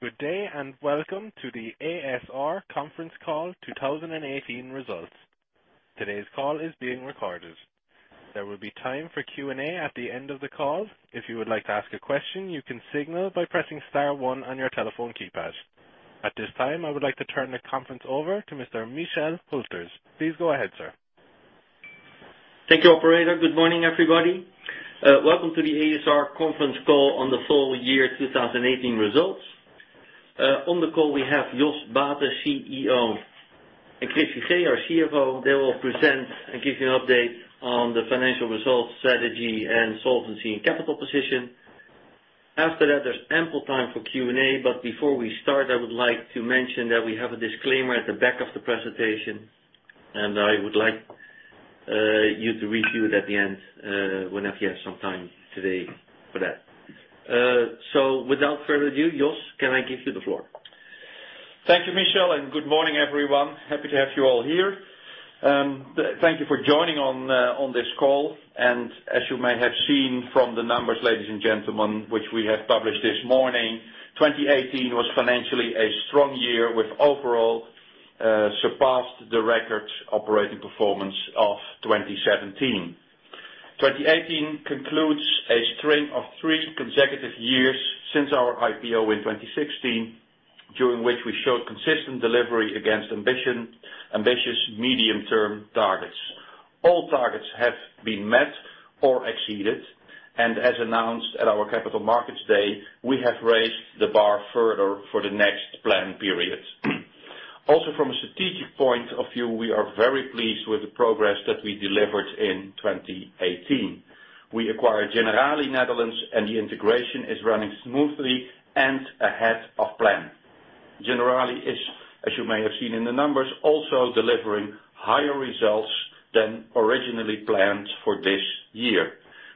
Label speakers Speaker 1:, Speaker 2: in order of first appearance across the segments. Speaker 1: Good day, and welcome to the a.s.r. Conference Call 2018 results. Today's call is being recorded. There will be time for Q&A at the end of the call. If you would like to ask a question, you can signal by pressing star one on your telephone keypad. At this time, I would like to turn the conference over to Mr. Michel Hülters. Please go ahead, sir.
Speaker 2: Thank you, operator. Good morning, everybody. Welcome to the a.s.r. conference call on the full year 2018 results. On the call, we have Jos Baeten, CEO, and Chris Figee, our CFO. They will present and give you an update on the financial results, strategy, and solvency and capital position. After that, there's ample time for Q&A. Before we start, I would like to mention that we have a disclaimer at the back of the presentation, and I would like you to review it at the end, whenever you have some time today for that. Without further ado, Jos, can I give you the floor?
Speaker 3: Thank you, Michel, good morning, everyone. Happy to have you all here. Thank you for joining on this call. As you may have seen from the numbers, ladies and gentlemen, which we have published this morning, 2018 was financially a strong year with overall surpassed the record operating performance of 2017. 2018 concludes a string of three consecutive years since our IPO in 2016, during which we showed consistent delivery against ambitious medium-term targets. All targets have been met or exceeded. As announced at our Capital Markets Day, we have raised the bar further for the next plan period. Also from a strategic point of view, we are very pleased with the progress that we delivered in 2018. We acquired Generali Nederland, the integration is running smoothly and ahead of plan. Generali is, as you may have seen in the numbers, also delivering higher results than originally planned for this year.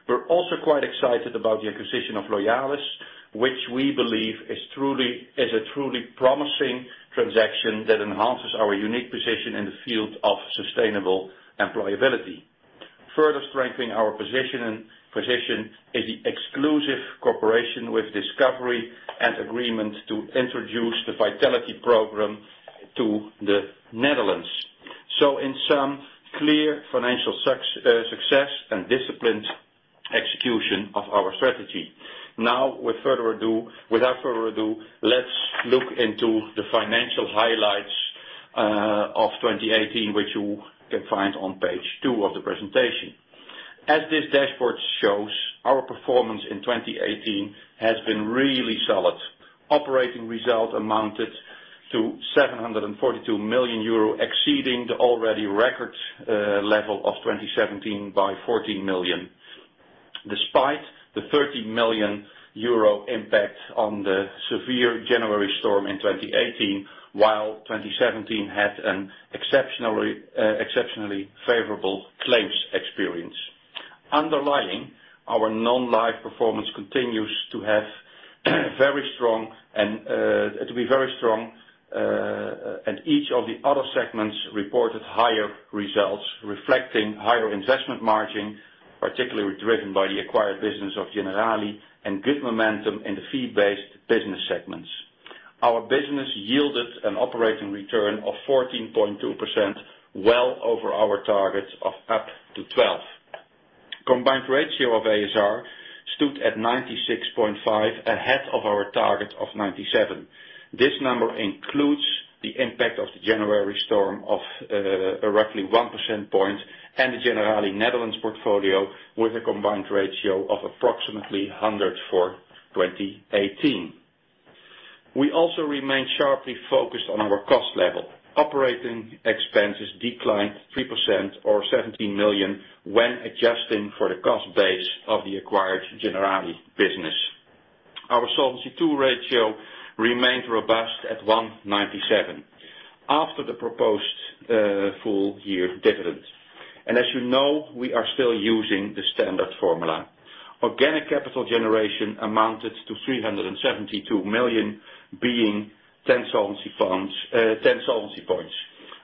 Speaker 3: We're also quite excited about the acquisition of Loyalis, which we believe is a truly promising transaction that enhances our unique position in the field of sustainable employability. Further strengthening our position is the exclusive cooperation with Discovery and agreement to introduce the Vitality program to the Netherlands. In sum, clear financial success and disciplined execution of our strategy. Now, without further ado, let's look into the financial highlights of 2018, which you can find on page two of the presentation. As this dashboard shows, our performance in 2018 has been really solid. Operating results amounted to 742 million euro, exceeding the already record level of 2017 by 14 million. Despite the 30 million euro impact on the severe January storm in 2018, while 2017 had an exceptionally favorable claims experience. Underlying our Non-life performance continues to be very strong, and each of the other segments reported higher results, reflecting higher investment margin, particularly driven by the acquired business of Generali and good momentum in the fee-based business segments. Our business yielded an operating return of 14.2%, well over our targets of up to 12%. Combined ratio of ASR stood at 96.5% ahead of our target of 97%. This number includes the impact of the January storm of roughly 1 percentage point and the Generali Nederland portfolio with a combined ratio of approximately 100% for 2018. We also remain sharply focused on our cost level. Operating expenses declined 3% or 17 million when adjusting for the cost base of the acquired Generali business. Our Solvency II ratio remained robust at 197% after the proposed full-year dividend. As you know, we are still using the standard formula. Organic capital generation amounted to 372 million being 10 solvency points.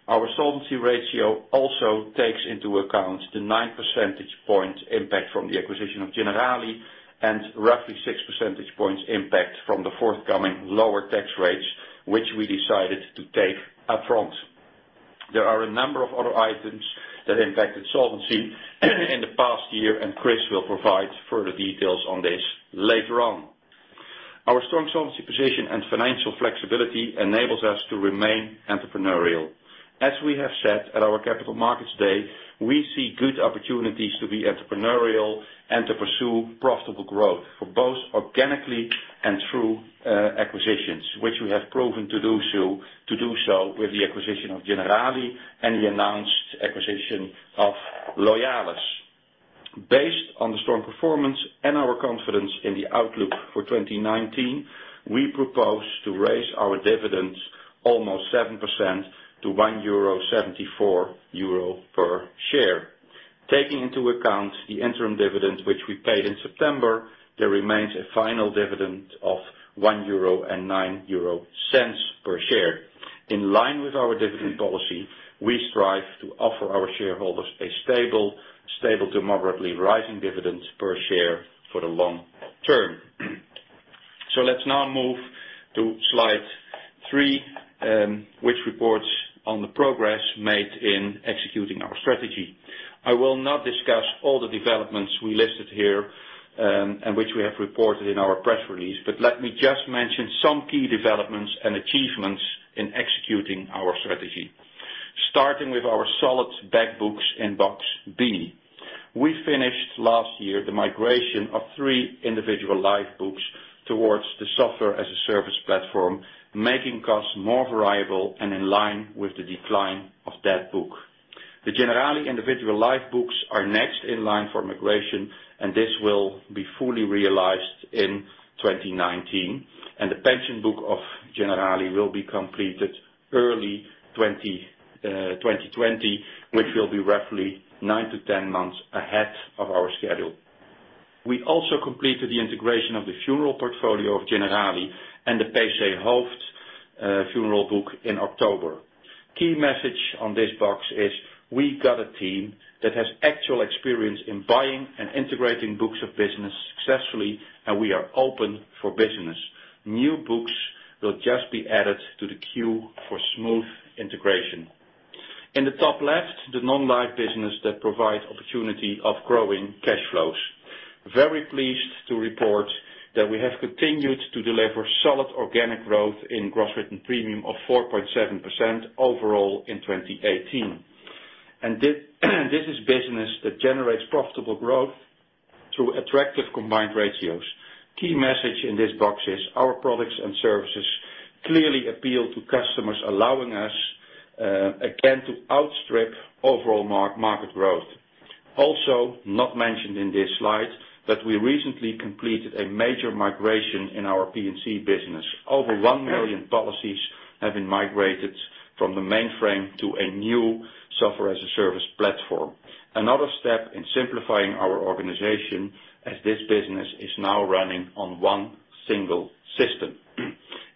Speaker 3: Our solvency ratio also takes into account the 9 percentage point impact from the acquisition of Generali and roughly 6 percentage points impact from the forthcoming lower tax rates, which we decided to take upfront. There are a number of other items that impacted solvency in the past year, and Chris will provide further details on this later on. Our strong solvency position and financial flexibility enables us to remain entrepreneurial. As we have said at our Capital Markets Day, we see good opportunities to be entrepreneurial and to pursue profitable growth for both organically and through acquisitions, which we have proven to do so with the acquisition of Generali and the announced acquisition of Loyalis. Based on the strong performance and our confidence in the outlook for 2019, we propose to raise our dividends almost 7% to 1.74 euro per share. Taking into account the interim dividends which we paid in September, there remains a final dividend of 1.09 euro per share. In line with our dividend policy, we strive to offer our shareholders a stable to moderately rising dividends per share for the long term. Let's now move to slide three, which reports on the progress made in executing our strategy. I will not discuss all the developments we listed here, and which we have reported in our press release, but let me just mention some key developments and achievements in executing our strategy. Starting with our solid back books in box B. We finished last year the migration of three individual life books towards the software-as-a-service platform, making costs more variable and in line with the decline of that book. The Generali individual life books are next in line for migration, and this will be fully realized in 2019, and the pension book of Generali will be completed early 2020, which will be roughly 9 to 10 months ahead of our schedule. We also completed the integration of the funeral portfolio of Generali and the PW Hoofd funeral book in October. Key message on this box is we got a team that has actual experience in buying and integrating books of business successfully, we are open for business. New books will just be added to the queue for smooth integration. In the top left, the Non-life business that provides opportunity of growing cash flows. Very pleased to report that we have continued to deliver solid organic growth in gross written premium of 4.7% overall in 2018. This is business that generates profitable growth through attractive combined ratios. Key message in this box is our products and services clearly appeal to customers, allowing us again to outstrip overall market growth. Also, not mentioned in this slide, we recently completed a major migration in our P&C business. Over 1 million policies have been migrated from the mainframe to a new software-as-a-service platform. Another step in simplifying our organization, as this business is now running on one single system.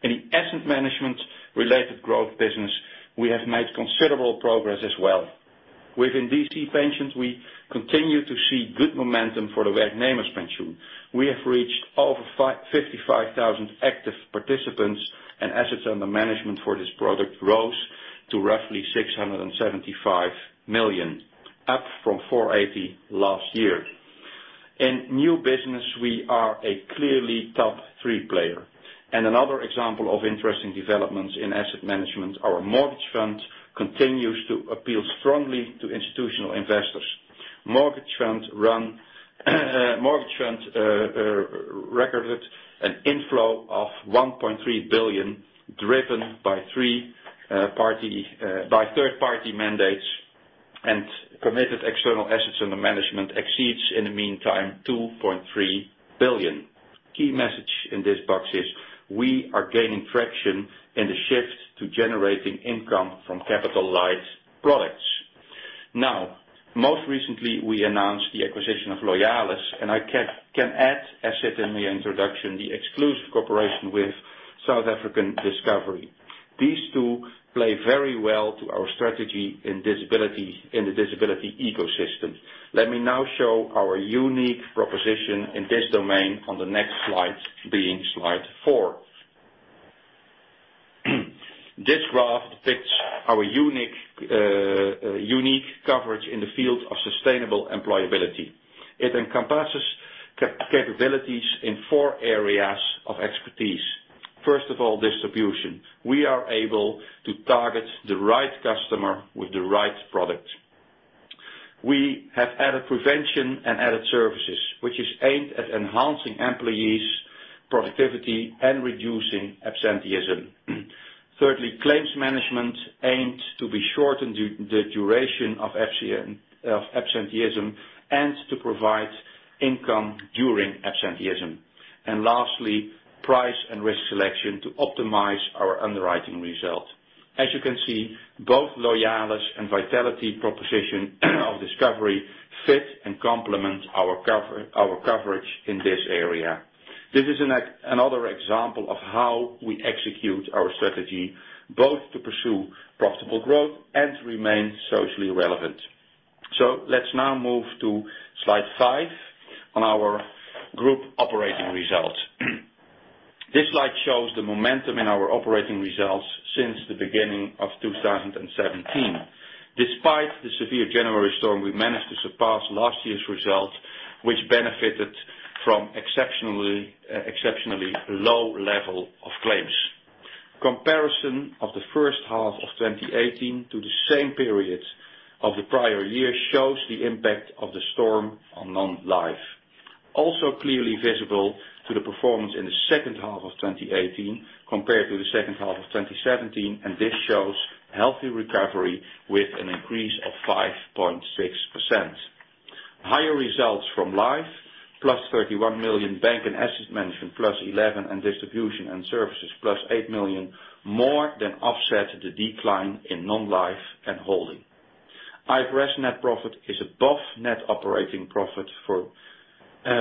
Speaker 3: In the asset management related growth business, we have made considerable progress as well. Within DC pensions, we continue to see good momentum for the Werknemerspensioen. We have reached over 55,000 active participants, assets under management for this product rose to roughly 675 million, up from 480 last year. In new business, we are a clearly top three player. Another example of interesting developments in asset management, our mortgage fund continues to appeal strongly to institutional investors. Mortgage fund recorded an inflow of 1.3 billion, driven by third party mandates permitted external assets under management exceeds, in the meantime, 2.3 billion. Key message in this box is we are gaining traction in the shift to generating income from capital light products. Now, most recently, we announced the acquisition of Loyalis, I can add, as said in the introduction, the exclusive cooperation with South African Discovery. These two play very well to our strategy in the disability ecosystem. Let me now show our unique proposition in this domain on the next slide, being slide four. This graph fits our unique coverage in the field of sustainable employability. It encompasses capabilities in four areas of expertise. First of all, distribution. We are able to target the right customer with the right product. We have added prevention and added services, which is aimed at enhancing employees' productivity and reducing absenteeism. Thirdly, claims management aimed to be shortened the duration of absenteeism, to provide income during absenteeism. Lastly, price and risk selection to optimize our underwriting result. As you can see, both Loyalis and Vitality proposition of Discovery fit and complement our coverage in this area. This is another example of how we execute our strategy, both to pursue profitable growth and to remain socially relevant. Let's now move to slide five on our group operating results. This slide shows the momentum in our operating results since the beginning of 2017. Despite the severe January storm, we managed to surpass last year's result, which benefited from exceptionally low level of claims. Comparison of the first half of 2018 to the same period of the prior year shows the impact of the storm on Non-life. Also clearly visible to the performance in the second half of 2018, compared to the second half of 2017, this shows healthy recovery with an increase of 5.6%. Higher results from life, plus 31 million bank and asset management plus 11 million, and distribution and services plus 8 million more than offset the decline in non-life and holding. IFRS net profit is above net operating profit for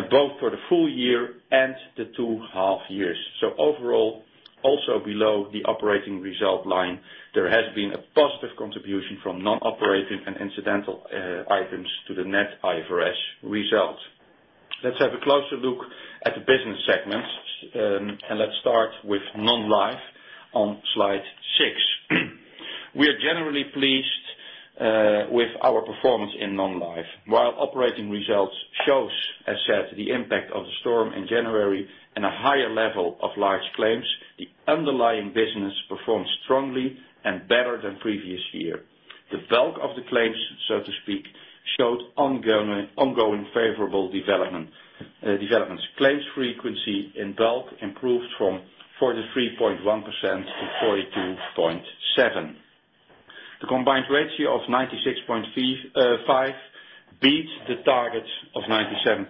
Speaker 3: both for the full year and the two half years. Overall, also below the operating result line, there has been a positive contribution from non-operating and incidental items to the net IFRS results. Let's have a closer look at the business segments, and let's start with non-life on slide six. We are generally pleased with our performance in non-life. While operating results show, as said, the impact of the storm in January and a higher level of large claims, the underlying business performed strongly and better than previous year. The bulk of the claims, so to speak, showed ongoing favorable developments. Claims frequency in bulk improved from 43.1% to 42.7%. The combined ratio of 96.5% beats the target of 97%.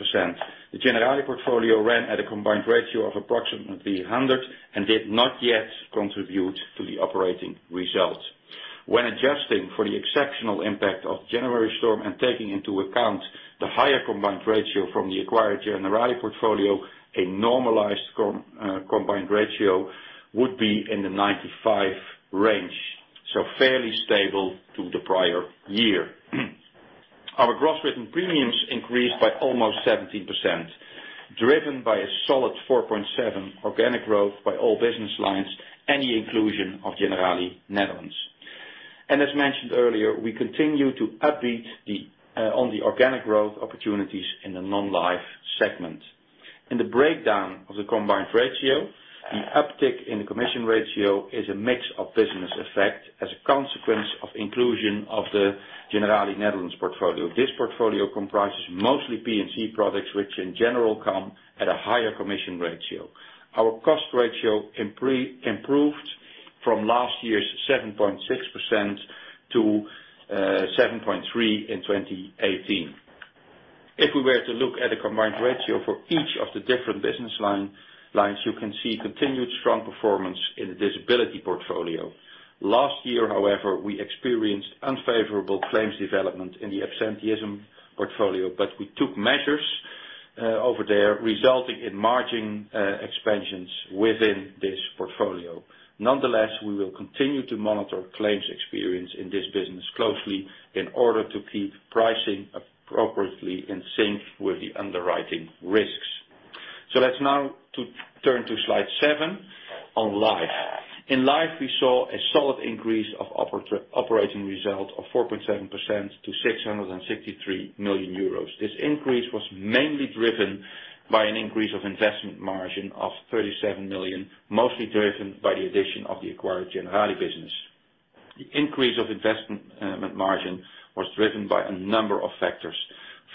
Speaker 3: The Generali portfolio ran at a combined ratio of approximately 100% and did not yet contribute to the operating results. When adjusting for the exceptional impact of January storm and taking into account the higher combined ratio from the acquired Generali portfolio, a normalized combined ratio would be in the 95% range. Fairly stable to the prior year. Our gross written premiums increased by almost 17%, driven by a solid 4.7% organic growth by all business lines and the inclusion of Generali Nederland. As mentioned earlier, we continue to be upbeat on the organic growth opportunities in the non-life segment. In the breakdown of the combined ratio, the uptick in the commission ratio is a mix of business effect as a consequence of inclusion of the Generali Nederland portfolio. This portfolio comprises mostly P&C products, which in general come at a higher commission ratio. Our cost ratio improved from last year's 7.6% to 7.3% in 2018. If we were to look at a combined ratio for each of the different business lines, you can see continued strong performance in the disability portfolio. Last year, however, we experienced unfavorable claims development in the absenteeism portfolio, but we took measures over there, resulting in margin expansions within this portfolio. Nonetheless, we will continue to monitor claims experience in this business closely in order to keep pricing appropriately in sync with the underwriting risks. Let's now turn to slide seven on life. In life, we saw a solid increase of operating result of 4.7% to 663 million euros. This increase was mainly driven by an increase of investment margin of 37 million, mostly driven by the addition of the acquired Generali business. The increase of investment margin was driven by a number of factors.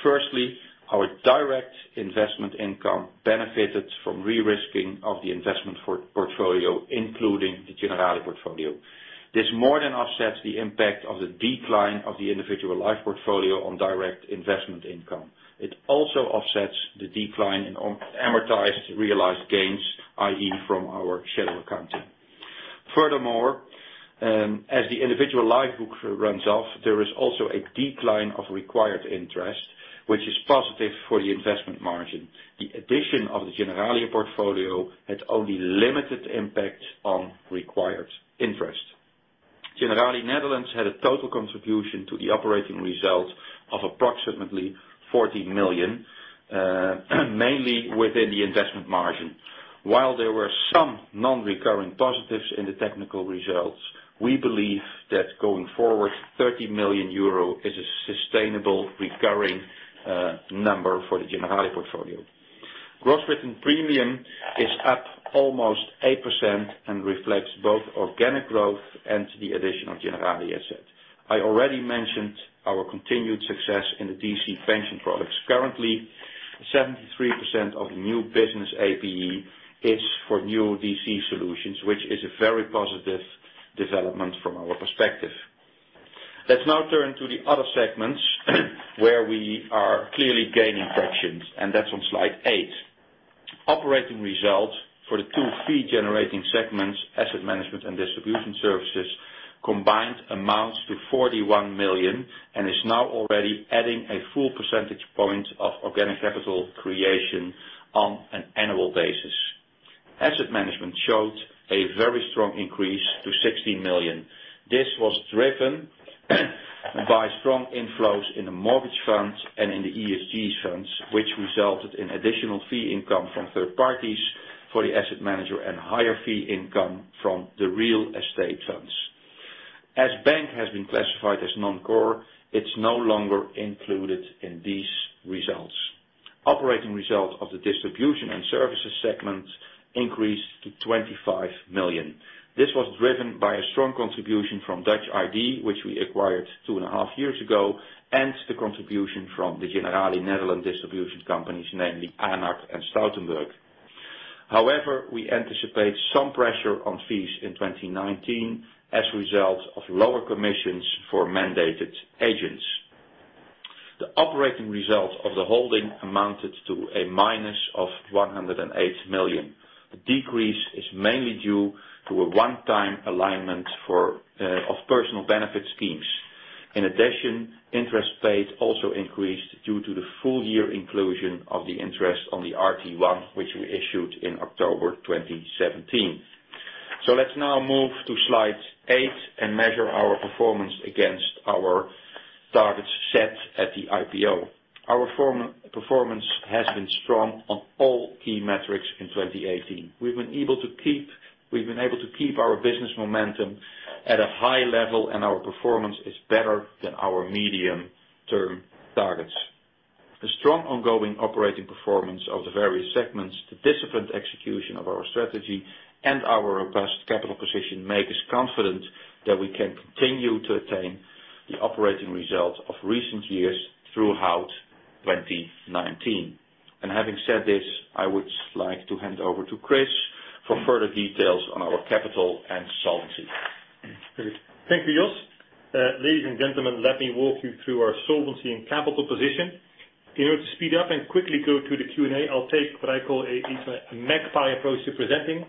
Speaker 3: Firstly, our direct investment income benefited from de-risking of the investment portfolio, including the Generali portfolio. This more than offsets the impact of the decline of the individual life portfolio on direct investment income. It also offsets the decline in amortized realized gains, i.e., from our shadow accounting. Furthermore, as the individual life book runs off, there is also a decline of required interest, which is positive for the investment margin. The addition of the Generali portfolio had only limited impact on required interest. Generali Nederland had a total contribution to the operating result of approximately 40 million, mainly within the investment margin. While there were some non-recurring positives in the technical results, we believe that going forward, 30 million euro is a sustainable recurring number for the Generali portfolio. Gross written premium is up almost 8% and reflects both organic growth and the addition of Generali assets. I already mentioned our continued success in the DC pension products. Currently, 73% of new business APE is for new DC solutions, which is a very positive development from our perspective. Let's now turn to the other segments where we are clearly gaining traction, and that's on slide eight. Operating results for the two fee-generating segments, asset management and distribution services, combined amounts to 41 million and is now already adding a full percentage point of organic capital creation on an annual basis. Asset management showed a very strong increase to 16 million. This was driven by strong inflows in the mortgage funds and in the ESG funds, which resulted in additional fee income from third parties for the asset manager and higher fee income from the real estate funds. As bank has been classified as non-core, it's no longer included in these results. Operating results of the distribution and services segment increased to 25 million. This was driven by a strong contribution from Dutch ID, which we acquired two and a half years ago, and the contribution from the Generali Nederland distribution companies, namely Aonach and Stutenberg. However, we anticipate some pressure on fees in 2019 as a result of lower commissions for mandated agents. The operating results of the holding amounted to a minus of 108 million. The decrease is mainly due to a one-time alignment of personal benefit schemes. In addition, interest paid also increased due to the full-year inclusion of the interest on the RT1, which we issued in October 2017. Let's now move to slide eight and measure our performance against our targets set at the IPO. Our performance has been strong on all key metrics in 2018. We've been able to keep our business momentum at a high level, and our performance is better than our medium-term targets. The strong ongoing operating performance of the various segments, the disciplined execution of our strategy, and our robust capital position make us confident that we can continue to attain the operating results of recent years throughout 2019. Having said this, I would like to hand over to Chris for further details on our capital and solvency.
Speaker 4: Thank you, Jos. Ladies and gentlemen, let me walk you through our solvency and capital position. In order to speed up and quickly go to the Q&A, I'll take what I call a magpie approach to presenting,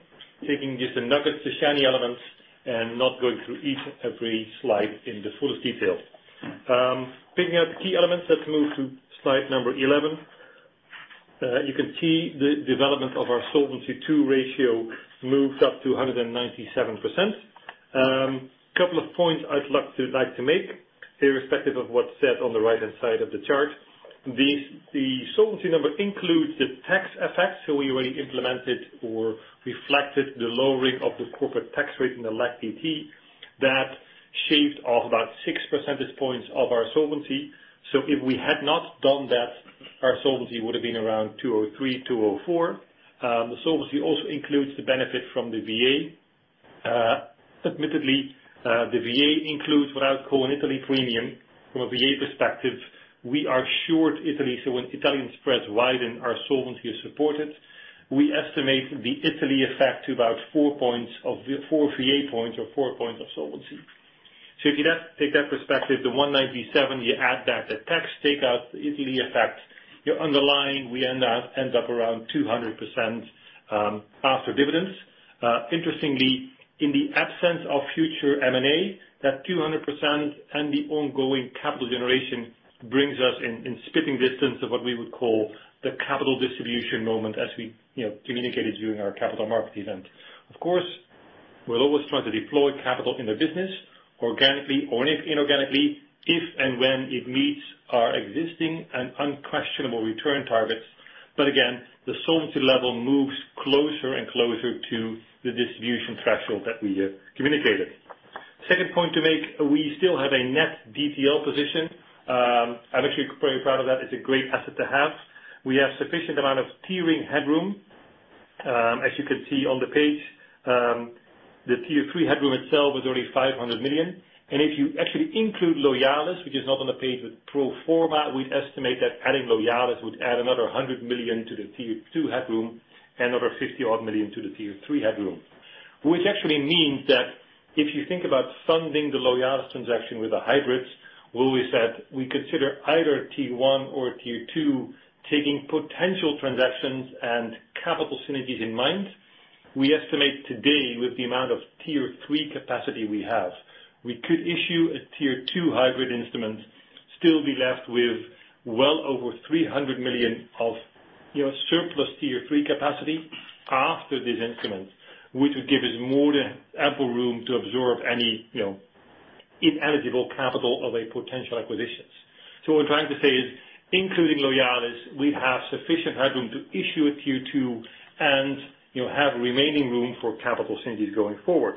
Speaker 4: taking just the nuggets, the shiny elements, and not going through each every slide in the fullest detail. Picking out the key elements, let's move to slide number 11. You can see the development of our Solvency II ratio moved up to 197%. Couple of points I'd like to make, irrespective of what's said on the right-hand side of the chart. The solvency number includes the tax effect, so we already implemented or reflected the lowering of the corporate tax rate in the LAC DT that shaved off about six percentage points of our solvency. If we had not done that, our solvency would have been around 203, 204. The solvency also includes the benefit from the VA. Admittedly, the VA includes what I would call an Italy premium. From a VA perspective, we are short Italy, so when Italian spreads widen, our solvency is supported. We estimate the Italy effect to about 4 VA points or 4 points of solvency. If you take that perspective, the 197%, you add that, the tax take out, the Italy effect, your underlying, we end up around 200% after dividends. Interestingly, in the absence of future M&A, that 200% and the ongoing capital generation brings us in spitting distance of what we would call the capital distribution moment, as we communicated during our Capital Markets event. Of course, we're always trying to deploy capital in the business organically or inorganically if and when it meets our existing and unquestionable return targets. Again, the solvency level moves closer and closer to the distribution threshold that we have communicated. Second point to make, we still have a net DTL position. I'm actually very proud of that. It is a great asset to have. We have sufficient amount of tiering headroom. As you can see on the page, the Tier 3 headroom itself was only 500 million. If you actually include Loyalis, which is not on the page with pro forma, we would estimate that adding Loyalis would add another 100 million to the Tier 2 headroom and another 50 million to the Tier 3 headroom. Which actually means that if you think about funding the Loyalis transaction with the hybrids, we always said we consider either Tier 1 or Tier 2, taking potential transactions and capital synergies in mind. We estimate today with the amount of Tier 3 capacity we have, we could issue a Tier 2 hybrid instrument, still be left with well over 300 million of surplus Tier 3 capacity after this instrument, which would give us more than ample room to absorb any ineligible capital of potential acquisitions. What I am trying to say is, including Loyalis, we have sufficient headroom to issue a Tier 2 and have remaining room for capital synergies going forward.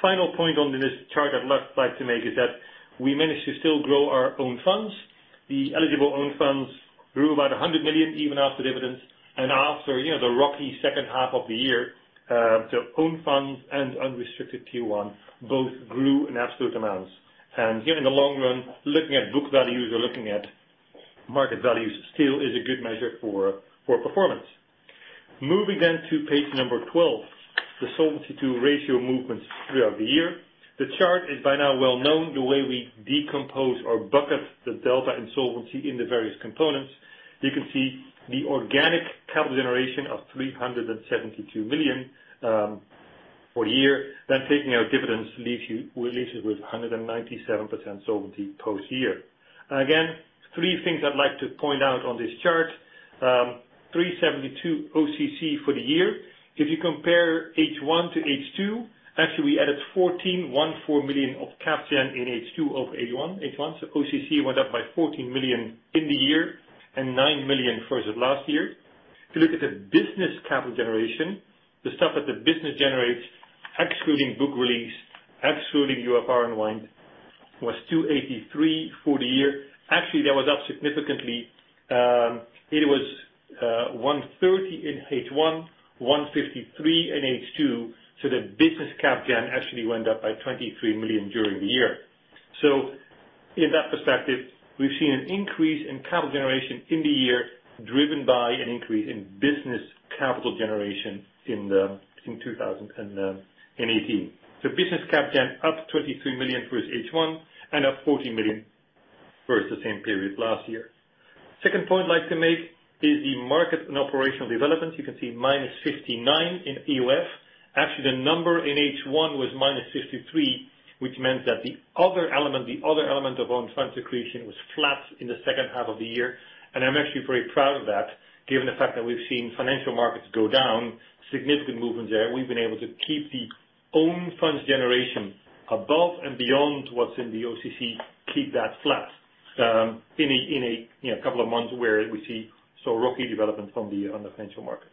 Speaker 4: Final point on this chart I would like to make is that we managed to still grow our own funds. The eligible own funds grew about 100 million even after dividends and after the rocky second half of the year. Own funds and Unrestricted Tier 1 both grew in absolute amounts. Here in the long run, looking at book values or looking at market values still is a good measure for performance. Moving to page 12, the Solvency II ratio movements throughout the year. The chart is by now well known, the way we decompose or bucket the delta and solvency in the various components. You can see the organic capital generation of 372 million for a year. Taking out dividends leaves you with 197% solvency post year. Again, 3 things I would like to point out on this chart. 372 million OCC for the year. If you compare H1 to H2, actually, we added 14 million of cap gen in H2 over H1. OCC went up by 14 million in the year and 9 million versus last year. If you look at the business capital generation, the stuff that the business generates, excluding book release, excluding UFR unwind, was 283 for the year. Actually, that was up significantly. It was 130 in H1, 153 in H2, so the business cap gen actually went up by 23 million during the year. In that perspective, we've seen an increase in capital generation in the year, driven by an increase in business capital generation in 2018. Business cap gen up 23 million for H1 and up 14 million versus the same period last year. Second point I'd like to make is the market and operational developments. You can see minus 59 in EOF. Actually, the number in H1 was minus 53, which meant that the other element of own funds accretion was flat in the second half of the year. I'm actually very proud of that, given the fact that we've seen financial markets go down, significant movements there. We've been able to keep the own funds generation above and beyond what's in the OCC, keep that flat, in a couple of months where we see rocky development on the financial markets.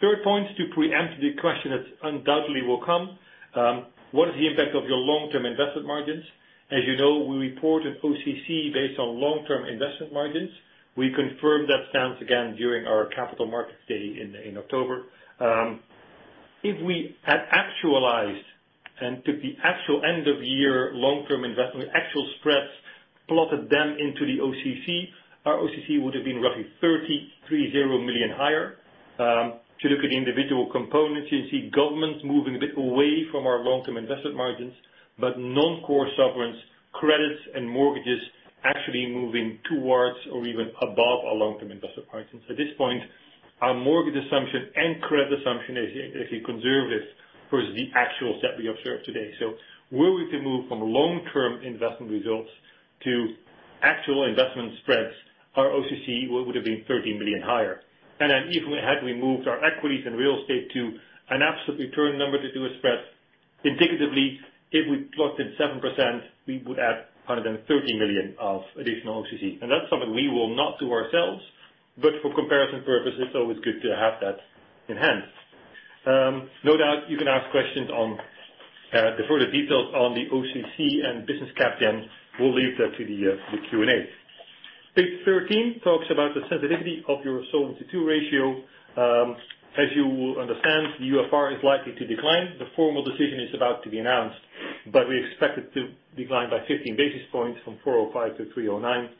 Speaker 4: Third point to preempt the question that undoubtedly will come. What is the impact of your long-term investment margins? As you know, we report an OCC based on long-term investment margins. We confirmed that stance again during our Capital Markets Day in October. If we had actualized and took the actual end of year long-term investment, actual spreads, plotted them into the OCC, our OCC would have been roughly 330 million higher. To look at the individual components, you see governments moving a bit away from our long-term investment margins, but non-core sovereigns, credits, and mortgages actually moving towards or even above our long-term investment margins. At this point, our mortgage assumption and credit assumption is actually conservative versus the actuals that we observe today. Where we can move from long-term investment results to actual investment spreads, our OCC would have been 30 million higher. Even had we moved our equities and real estate to an absolute return number to do a spread, indicatively, if we plotted 7%, we would add 130 million of additional OCC. That's something we will not do ourselves, but for comparison purpose, it's always good to have that in hand. No doubt, you can ask questions on the further details on the OCC and business CAP, we'll leave that to the Q&A. Page 13 talks about the sensitivity of your Solvency II ratio. As you will understand, the UFR is likely to decline. The formal decision is about to be announced, but we expect it to decline by 15 basis points from 405 to 309.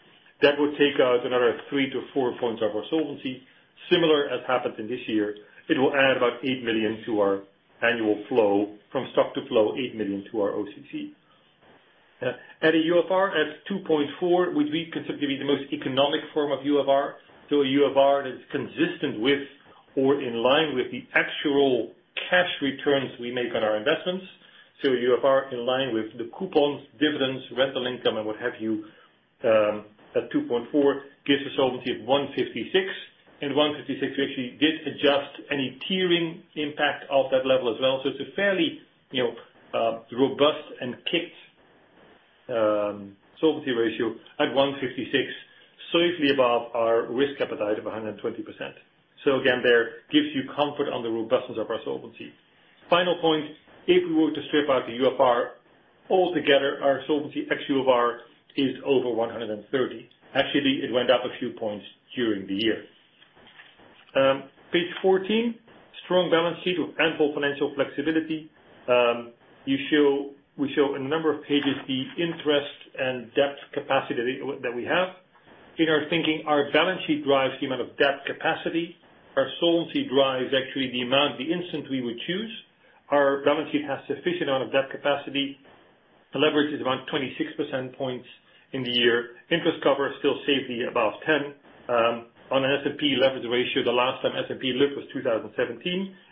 Speaker 4: That would take out another three to four points of our solvency. Similar as happened in this year, it will add about 8 million to our annual flow from stock to flow, 8 million to our OCC. At a UFR at 2.4, which we consider to be the most economic form of UFR. A UFR that's consistent with or in line with the actual cash returns we make on our investments. UFR in line with the coupons, dividends, rental income, and what have you, at 2.4%, gives a solvency of 156%. At 156%, we actually did adjust any tiering impact of that level as well. It's a fairly robust and kicked solvency ratio at 156%, safely above our risk appetite of 120%. Again, there gives you comfort on the robustness of our solvency. Final point, if we were to strip out the UFR altogether, our solvency ex UFR is over 130%. Actually, it went up a few points during the year. Page 14. Strong balance sheet with ample financial flexibility. We show a number of pages, the interest and debt capacity that we have. In our thinking, our balance sheet drives the amount of debt capacity. Our solvency drives actually the amount, the instance we would choose. Our balance sheet has sufficient amount of debt capacity. The leverage is around 26 percentage points in the year. Interest cover is still safely above 10x. On an S&P leverage ratio, the last time S&P looked was 2017.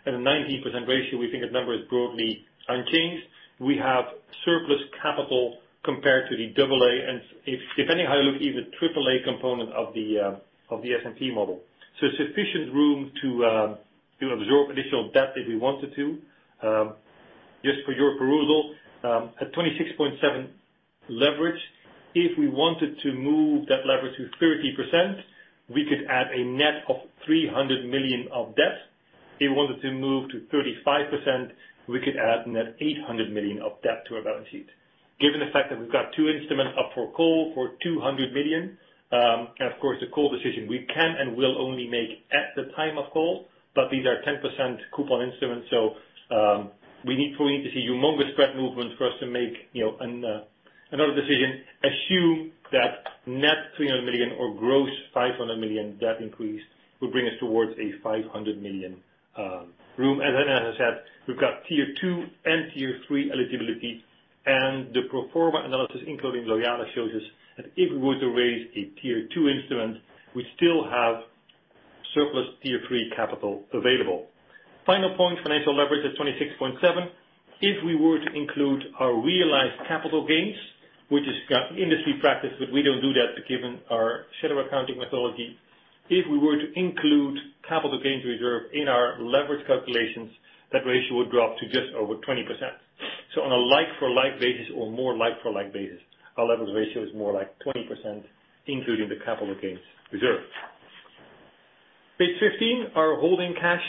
Speaker 4: At a 19% ratio, we think that number is broadly unchanged. We have surplus capital compared to the AA, and depending how you look, even AAA component of the S&P model. Sufficient room to absorb additional debt if we wanted to. Just for your perusal, at 26.7% leverage, if we wanted to move that leverage to 30%, we could add a net of 300 million of debt. If we wanted to move to 35%, we could add net 800 million of debt to our balance sheet. Given the fact that we've got two instruments up for call for 200 million, and of course, the call decision we can and will only make at the time of call, but these are 10% coupon instruments, we need for you to see humongous spread movement for us to make another decision. Assume that net 300 million or gross 500 million debt increase will bring us towards a 500 million room. As I said, we've got Tier 2 and Tier 3 eligibility, and the pro forma analysis, including Loyalis, shows us that if we were to raise a Tier 2 instrument, we still have surplus Tier 3 capital available. Final point, financial leverage at 26.7%. If we were to include our realized capital gains, which is industry practice, but we don't do that given our shadow accounting methodology. If we were to include capital gains reserve in our leverage calculations, that ratio would drop to just over 20%. On a like for like basis or more like for like basis, our leverage ratio is more like 20%, including the capital gains reserve. Page 15, our holding cash.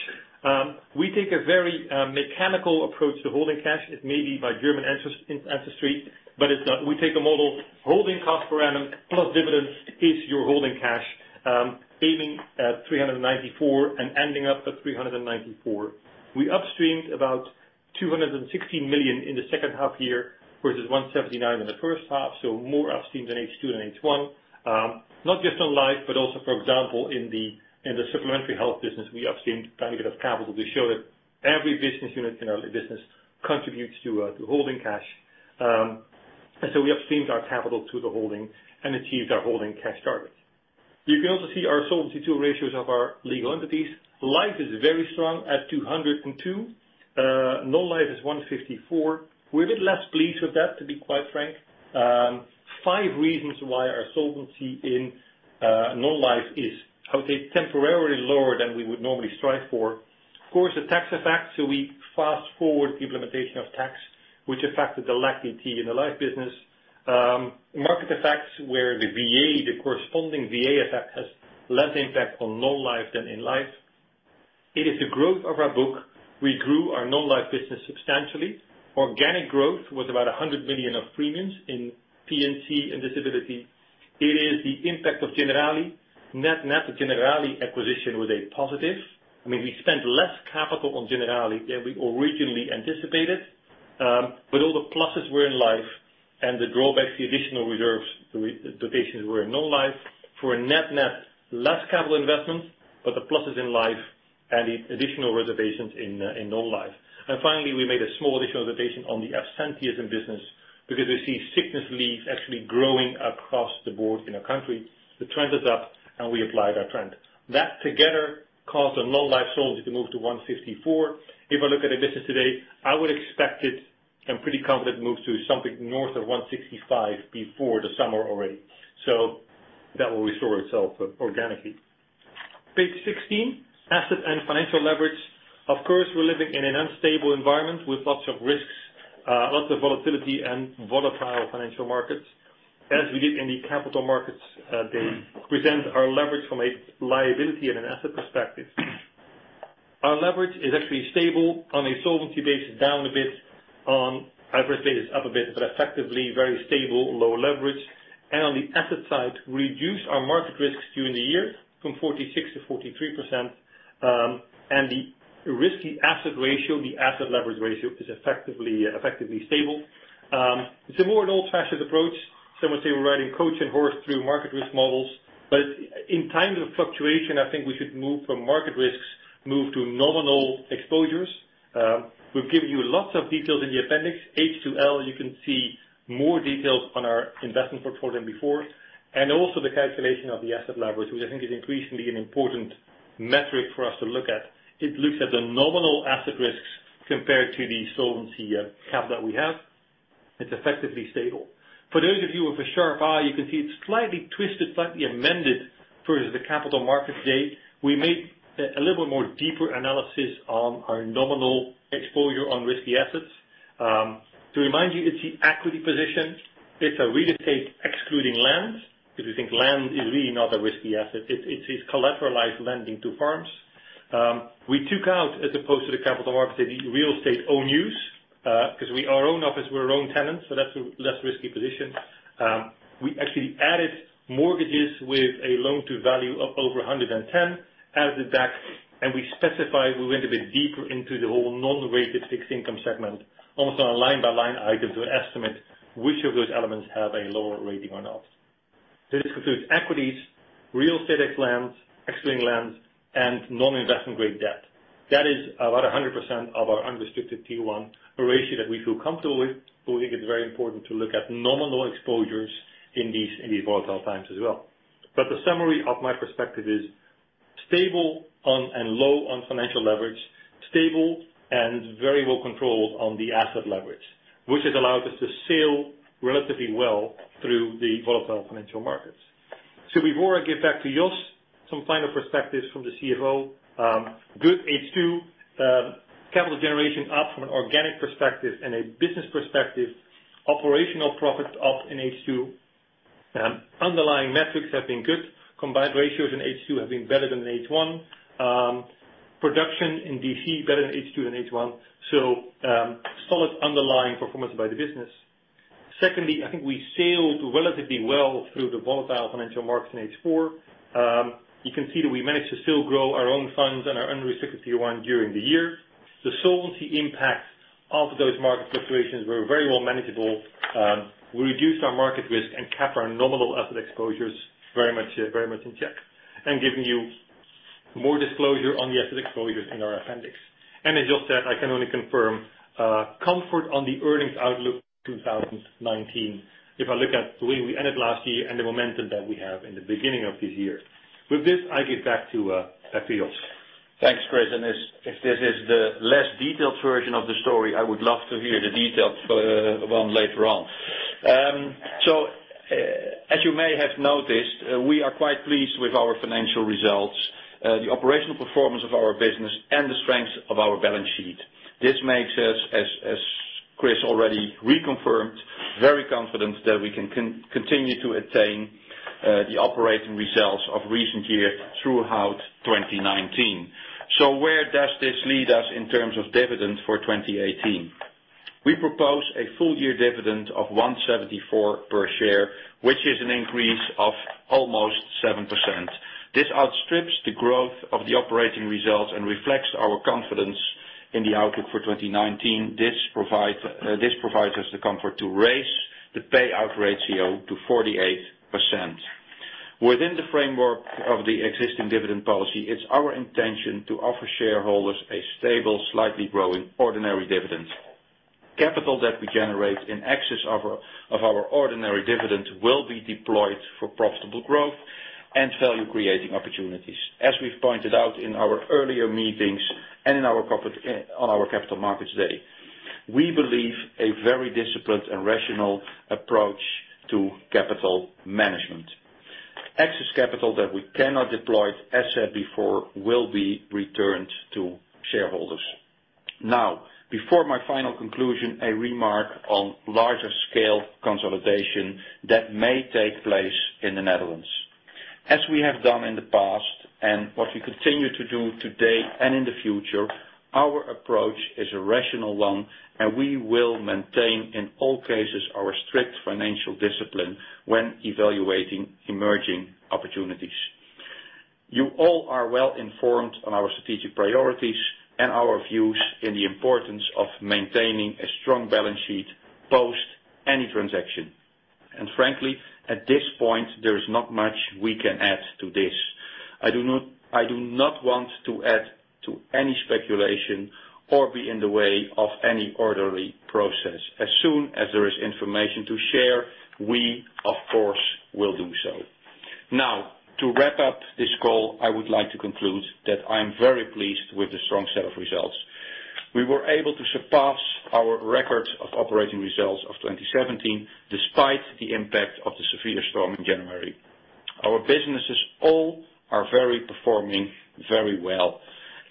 Speaker 4: We take a very mechanical approach to holding cash. It may be by German ancestry, but we take a model. Holding cash per annum plus dividends is your holding cash. Aiming at 394 million and ending up at 394 million. We upstreamed about 216 million in the second half year versus 179 million in the first half, more upstreamed in H2 than H1. Not just on life, but also, for example, in the supplementary health business, we upstreamed a tiny bit of capital to show that every business unit in our business contributes to holding cash. We have streamed our capital to the holding and achieved our holding cash targets. You can also see our Solvency II ratios of our legal entities. Life is very strong at 202. Non-life is 154. We are a bit less pleased with that, to be quite frank. Five reasons why our solvency in non-life is, I would say, temporarily lower than we would normally strive for. Of course, the tax effect, so we fast-forward the implementation of tax, which affected the LAC DT in the life business. Market effects where the VA, the corresponding VA effect, has less impact on non-life than in life. It is the growth of our book. We grew our non-life business substantially. Organic growth was about 100 million of premiums in P&C and disability. It is the impact of Generali. Net Generali acquisition was a positive. We spent less capital on Generali than we originally anticipated. All the pluses were in life, and the drawbacks, the additional reserves, the reservations were in non-life. For a net-net, less capital investments, but the plus is in life and additional reservations in non-life. Finally, we made a small additional reservation on the absenteeism business because we see sickness leave actually growing across the board in our country. The trend is up, and we applied our trend. That together caused a low life solvency to move to 154. If I look at the business today, I would expect it, I am pretty confident, moves to something north of 165 before the summer already. That will restore itself organically. Page 16, asset and financial leverage. Of course, we are living in an unstable environment with lots of risks, lots of volatility, and volatile financial markets. As we did in the Capital Markets Day, present our leverage from a liability and an asset perspective. Our leverage is actually stable on a solvency basis, down a bit on adverse data, it is up a bit, but effectively very stable, lower leverage. On the asset side, we reduced our market risks during the year from 46% to 43%. The risky asset ratio, the asset leverage ratio, is effectively stable. It is a more old-fashioned approach. Some would say we are riding coach and horse through market risk models, but in times of fluctuation, I think we should move from market risks, move to nominal exposures. We have given you lots of details in the appendix. H2L, you can see more details on our investment portfolio before, and also the calculation of the asset leverage, which I think is increasingly an important metric for us to look at. It looks at the nominal asset risks compared to the solvency cap that we have. It is effectively stable. For those of you with a sharp eye, you can see it is slightly twisted, slightly amended per the Capital Markets Day. We made a little bit more deeper analysis on our nominal exposure on risky assets. To remind you, it is the equity position. It is a real estate excluding land, because we think land is really not a risky asset. It is collateralized lending to firms. We took out, as opposed to the Capital Markets Day, the real estate own use, because our own office, we are our own tenant, so that is a less risky position. We actually added mortgages with a loan to value of over 110 out of the deck, we went a bit deeper into the whole non-rated fixed income segment, almost on a line-by-line item to estimate which of those elements have a lower rating or not. This includes equities, real estate excluding land, and non-investment grade debt. That is about 100% of our Unrestricted Tier 1, a ratio that we feel comfortable with. We think it's very important to look at nominal exposures in these volatile times as well. The summary of my perspective is stable and low on financial leverage, stable and very well controlled on the asset leverage, which has allowed us to sail relatively well through the volatile financial markets. Before I give back to Jos, some final perspectives from the CFO. Good H2. Capital generation up from an organic perspective and a business perspective. Operational profit up in H2. Underlying metrics have been good. Combined ratios in H2 have been better than in H1. Production in DC better in H2 than H1. Solid underlying performance by the business. Secondly, I think we sailed relatively well through the volatile financial markets in H4. You can see that we managed to still grow our own funds and our Unrestricted Tier 1 during the year. The solvency impact of those market fluctuations were very well manageable. We reduced our market risk and kept our nominal asset exposures very much in check and given you more disclosure on the asset exposures in our appendix. As Jos said, I can only confirm comfort on the earnings outlook 2019 if I look at the way we ended last year and the momentum that we have in the beginning of this year. With this, I give back to Jos.
Speaker 3: Thanks, Chris. If this is the less detailed version of the story, I would love to hear the detailed one later on. As you may have noticed, we are quite pleased with our financial results, the operational performance of our business, and the strength of our balance sheet. This makes us, as Chris already reconfirmed, very confident that we can continue to attain the operating results of recent year throughout 2019. Where does this lead us in terms of dividends for 2018? We propose a full-year dividend of 174 per share, which is an increase of almost 7%. This outstrips the growth of the operating results and reflects our confidence in the outlook for 2019. This provides us the comfort to raise the payout ratio to 48%. Within the framework of the existing dividend policy, it's our intention to offer shareholders a stable, slightly growing ordinary dividend. Capital that we generate in excess of our ordinary dividend will be deployed for profitable growth and value-creating opportunities. As we've pointed out in our earlier meetings and on our Capital Markets Day, we believe a very disciplined and rational approach to capital management. Excess capital that we cannot deploy, as said before, will be returned to shareholders. Before my final conclusion, a remark on larger scale consolidation that may take place in the Netherlands. As we have done in the past and what we continue to do today and in the future, our approach is a rational one, and we will maintain, in all cases, our strict financial discipline when evaluating emerging opportunities. You all are well-informed on our strategic priorities and our views in the importance of maintaining a strong balance sheet post any transaction. Frankly, at this point, there is not much we can add to this. I do not want to add to any speculation or be in the way of any orderly process. As soon as there is information to share, we of course will do so. To wrap up this call, I would like to conclude that I am very pleased with the strong set of results. We were able to surpass our records of operating results of 2017 despite the impact of the severe storm in January. Our businesses all are performing very well,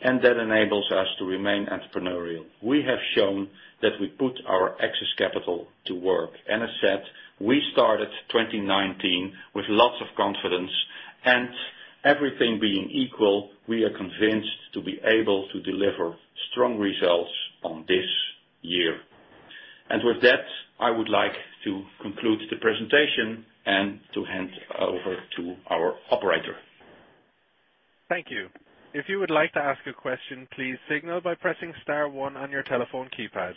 Speaker 3: and that enables us to remain entrepreneurial. We have shown that we put our excess capital to work. I said, we started 2019 with lots of confidence, and everything being equal, we are convinced to be able to deliver strong results on this year. With that, I would like to conclude the presentation and to hand over to our operator.
Speaker 1: Thank you. If you would like to ask a question, please signal by pressing star one on your telephone keypad.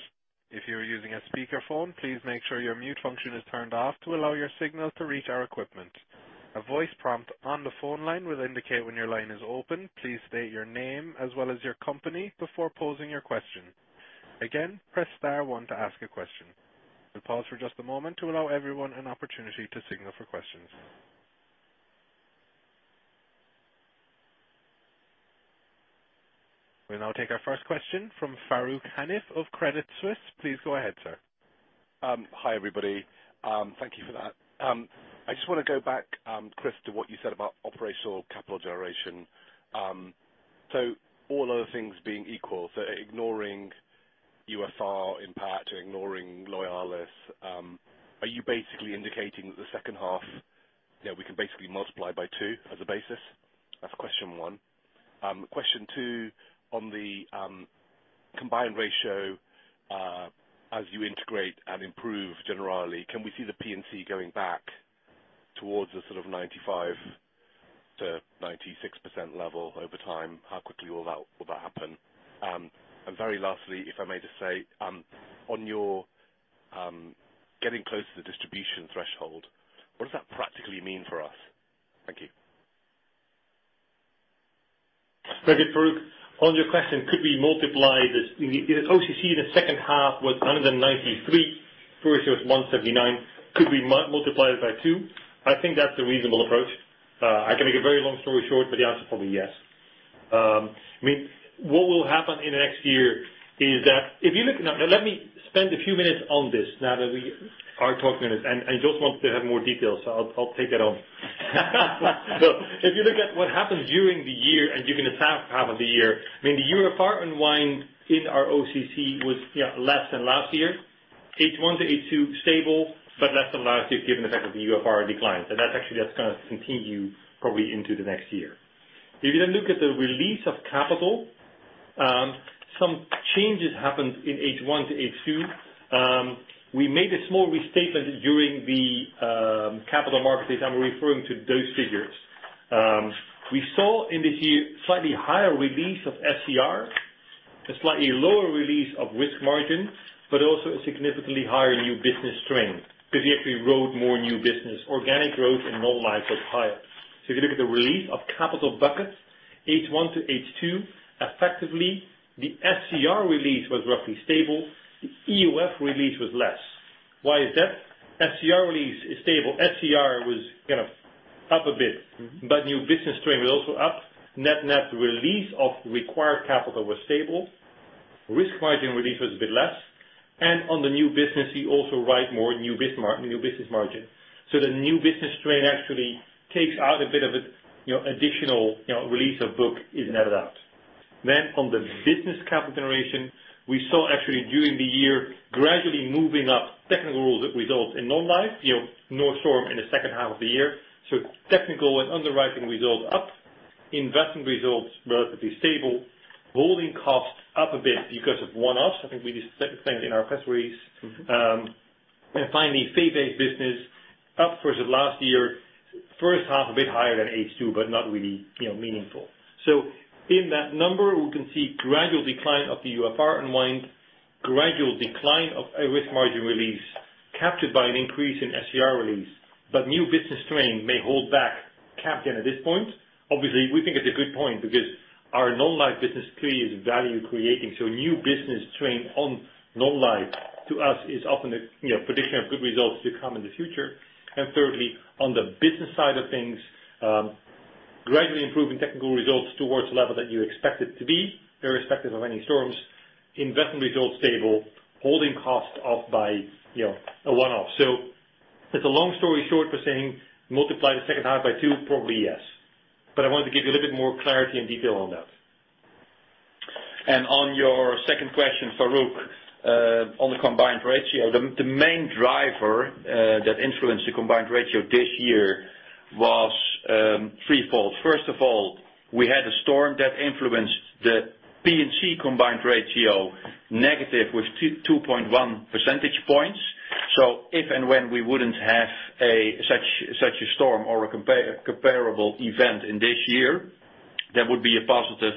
Speaker 1: If you are using a speakerphone, please make sure your mute function is turned off to allow your signal to reach our equipment. A voice prompt on the phone line will indicate when your line is open. Please state your name as well as your company before posing your question. Again, press star one to ask a question. We'll pause for just a moment to allow everyone an opportunity to signal for questions. We'll now take our first question from Farooq Hanif of Credit Suisse. Please go ahead, sir.
Speaker 5: Hi, everybody. Thank you for that. I just want to go back, Chris, to what you said about organic capital generation. All other things being equal, ignoring UFR in part or ignoring Loyalis, are you basically indicating that the second half, we can basically multiply by two as a basis? That's question one. Question two, on the combined ratio, as you integrate and improve Generali, can we see the P&C going back towards the 95%-96% level over time? How quickly will that happen? Very lastly, if I may just say, on your getting close to the distribution threshold, what does that practically mean for us? Thank you.
Speaker 3: Thank you, Farooq. On your question, could we multiply this? The OCC in the second half was 193, first year was 179. Could we multiply it by two? I think that's a reasonable approach. I can make a very long story short, but the answer is probably yes. What will happen in the next year is that if you look. Let me spend a few minutes on this now that we are talking on this, and Jos wants to have more details, so I'll take that on. If you look at what happened during the year and during the second half of the year, the UFR unwind in our OCC was less than last year. H1 to H2 stable but less than last year given the fact that the UFR declined. That actually is going to continue probably into the next year. If you then look at the release of capital, some changes happened in H1 to H2. We made a small restatement during the Capital Markets Day, I'm referring to those figures. We saw in this year slightly higher release of SCR, a slightly lower release of risk margin, but also a significantly higher new business strain because we actually wrote more new business. Organic growth and Non-life was higher. If you look at the release of capital buckets, H1 to H2, effectively, the SCR release was roughly stable. The BEL release was less. Why is that? SCR release is stable. SCR was up a bit, but new business strain was also up. Net release of required capital was stable. Risk margin release was a bit less. On the new business, we also write more new business margin. The new business strain actually takes out a bit of additional release of book is netted out. On the business capital generation, we saw actually during the year gradually moving up technical results in Non-life, no storm in the second half of the year. Technical and underwriting result up. Investment results relatively stable. Holding cost up a bit because of one-offs. I think we explained in our press release.
Speaker 4: Finally, fee-based business up versus last year. First half a bit higher than H2, not really meaningful. In that number, we can see gradual decline of the UFR unwind Gradual decline of a risk margin release captured by an increase in SCR release, new business strain may hold back capital at this point. Obviously, we think it's a good point because our Non-life business clearly is value creating. New business strain on Non-life to us is often a prediction of good results to come in the future. Thirdly, on the business side of things, gradually improving technical results towards the level that you expect it to be, irrespective of any storms, investment results stable, holding cost off by a one-off. It's a long story short, we're saying multiply the second half by two, probably, yes. I wanted to give you a little bit more clarity and detail on that. On your second question, Farooq, on the combined ratio, the main driver that influenced the combined ratio this year was threefold. First of all, we had a storm that influenced the P&C combined ratio negative with 2.1 percentage points. If and when we wouldn't have such a storm or a comparable event in this year, that would be a positive.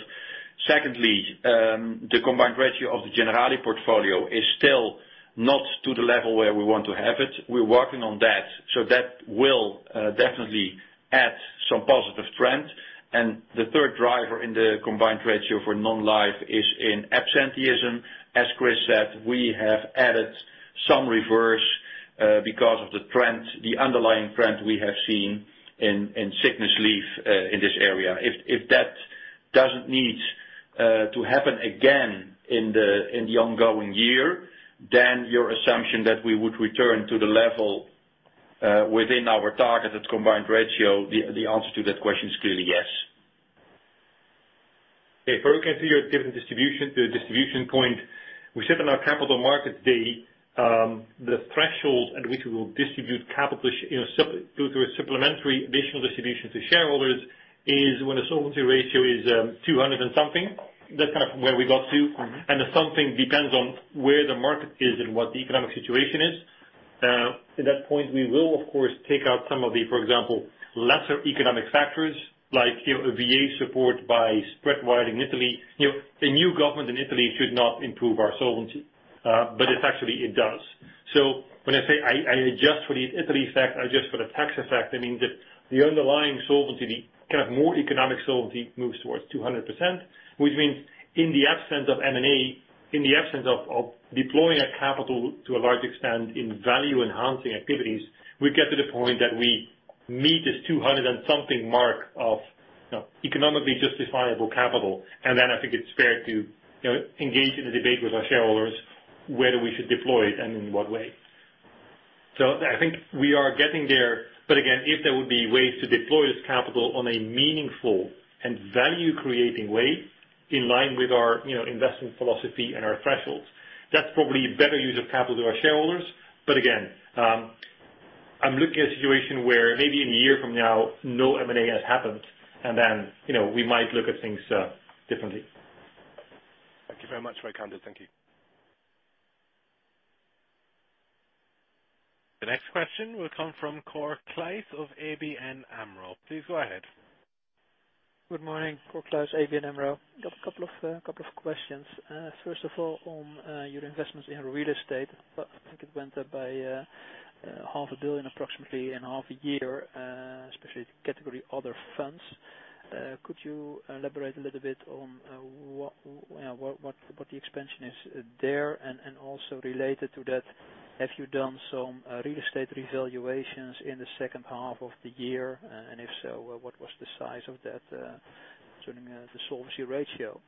Speaker 4: Secondly, the combined ratio of the Generali portfolio is still not to the level where we want to have it. We're working on that. That will definitely add some positive trend. The third driver in the combined ratio for Non-life is in absenteeism. As Chris said, we have added some reserves because of the underlying trend we have seen in sickness leave in this area. If that doesn't need to happen again in the ongoing year, your assumption that we would return to the level within our target as combined ratio, the answer to that question is clearly yes. If we can figure a different distribution point, we said on our Capital Markets Day the threshold at which we will distribute capital through a supplementary additional distribution to shareholders is when a solvency ratio is 200 and something. That's where we got to. The something depends on where the market is and what the economic situation is. At that point, we will, of course, take out some of the, for example, lesser economic factors like VA support by spread widening Italy. A new government in Italy should not improve our solvency, it actually does. When I say I adjust for the Italy effect, I adjust for the tax effect, I mean that the underlying solvency, the more economic solvency moves towards 200%, which means in the absence of M&A, in the absence of deploying our capital to a large extent in value-enhancing activities, we get to the point that we meet this 200 and something mark of economically justifiable capital. Then I think it's fair to engage in a debate with our shareholders whether we should deploy it and in what way. I think we are getting there. Again, if there would be ways to deploy this capital on a meaningful and value-creating way in line with our investment philosophy and our thresholds, that's probably a better use of capital to our shareholders. Again, I'm looking at a situation where maybe in a year from now, no M&A has happened, then we might look at things differently.
Speaker 5: Thank you very much. Very candid. Thank you.
Speaker 1: The next question will come from Cor Kluis of ABN AMRO. Please go ahead.
Speaker 6: Good morning. Cor Kluis, ABN AMRO. I have a couple of questions. First of all, on your investments in real estate, I think it went up by 0.5 billion approximately in half a year, especially the category other funds. Could you elaborate a little bit on what the expansion is there? Also related to that, have you done some real estate revaluations in the second half of the year? If so, what was the size of that turning the solvency ratio?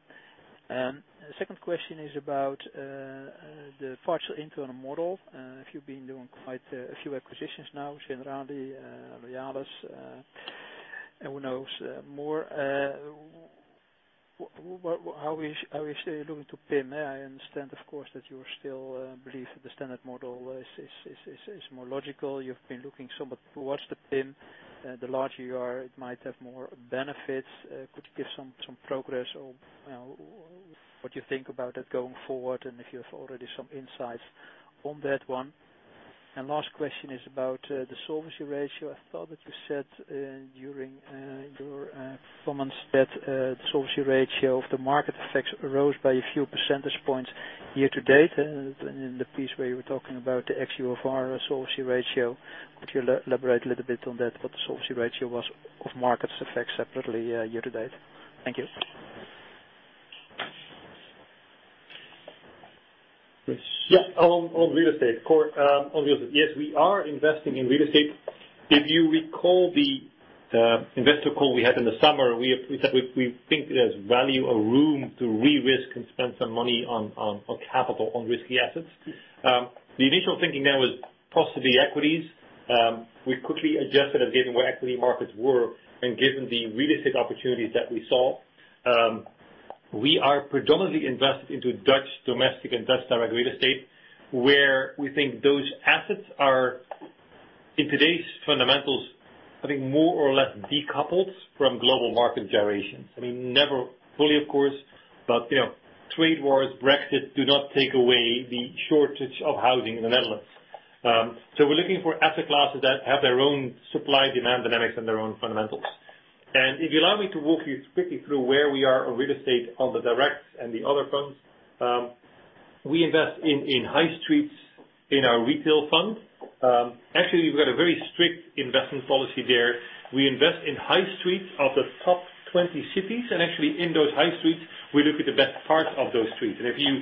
Speaker 6: Second question is about the partial internal model. You've been doing quite a few acquisitions now, Generali, Loyalis, and who knows more, how are we looking to PIM? I understand, of course, that you still believe the standard model is more logical. You've been looking somewhat towards the PIM. The larger you are, it might have more benefits. Could you give some progress or what you think about it going forward and if you have already some insights on that one? Last question is about the solvency ratio. I thought that you said during your performance that the solvency ratio of the market effects rose by a few percentage points year-to-date in the piece where you were talking about the actual SCR solvency ratio. Could you elaborate a little bit on that, what the solvency ratio was of markets effect separately year-to-date? Thank you.
Speaker 4: Chris? Yes. On real estate, Cor. Yes, we are investing in real estate. If you recall the investor call we had in the summer, we said we think there's value or room to re-risk and spend some money on capital on risky assets.
Speaker 6: Yes. The initial thinking there was possibly equities. We quickly adjusted given where equity markets were and given the real estate opportunities that we saw. We are predominantly invested into Dutch domestic and Dutch direct real estate, where we think those assets are, in today's fundamentals, I think more or less decoupled from global market generations. Never fully, of course, but trade wars, Brexit, do not take away the shortage of housing in the Netherlands. We're looking for asset classes that have their own supply-demand dynamics and their own fundamentals. If you allow me to walk you quickly through where we are on real estate on the directs and the other funds. We invest in high streets in our retail fund. Actually, we've got a very strict investment policy there.
Speaker 4: We invest in high streets of the top 20 cities. Actually in those high streets, we look at the best parts of those streets. If you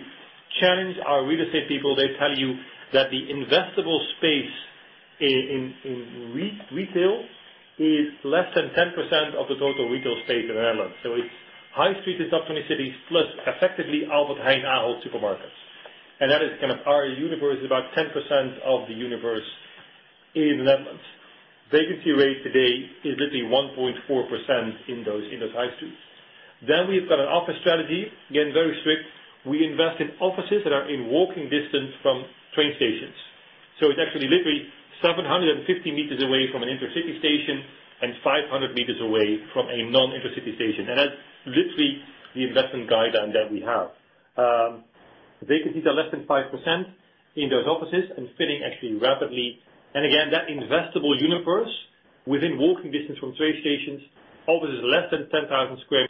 Speaker 4: challenge our real estate people, they tell you that the investable space in retail is less than 10% of the total retail space in the Netherlands. It's high streets in top 20 cities plus effectively Albert Heijn, Ahold supermarkets. That is our universe, about 10% of the universe in the Netherlands. Vacancy rate today is literally 1.4% in those high streets. We've got an office strategy. Again, very strict. We invest in offices that are in walking distance from train stations. It's actually literally 750 meters away from an intercity station and 500 meters away from a non-intercity station. That's literally the investment guideline that we have. Vacancies are less than 5% in those offices and filling actually rapidly. Again, that investable universe within walking distance from train stations, offices less than 10,000 sq m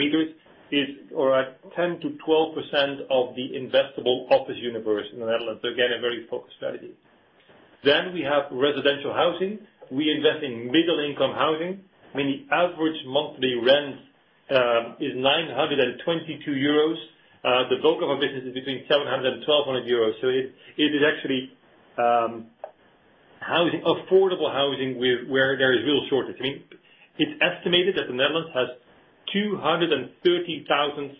Speaker 4: is around 10%-12% of the investable office universe in the Netherlands. A very focused strategy. We have residential housing. We invest in middle-income housing. I mean, the average monthly rent is 922 euros. The bulk of our business is between 700 euros and 1,200 euros. It is actually affordable housing where there is real shortage. I mean, it's estimated that the Netherlands has 230,000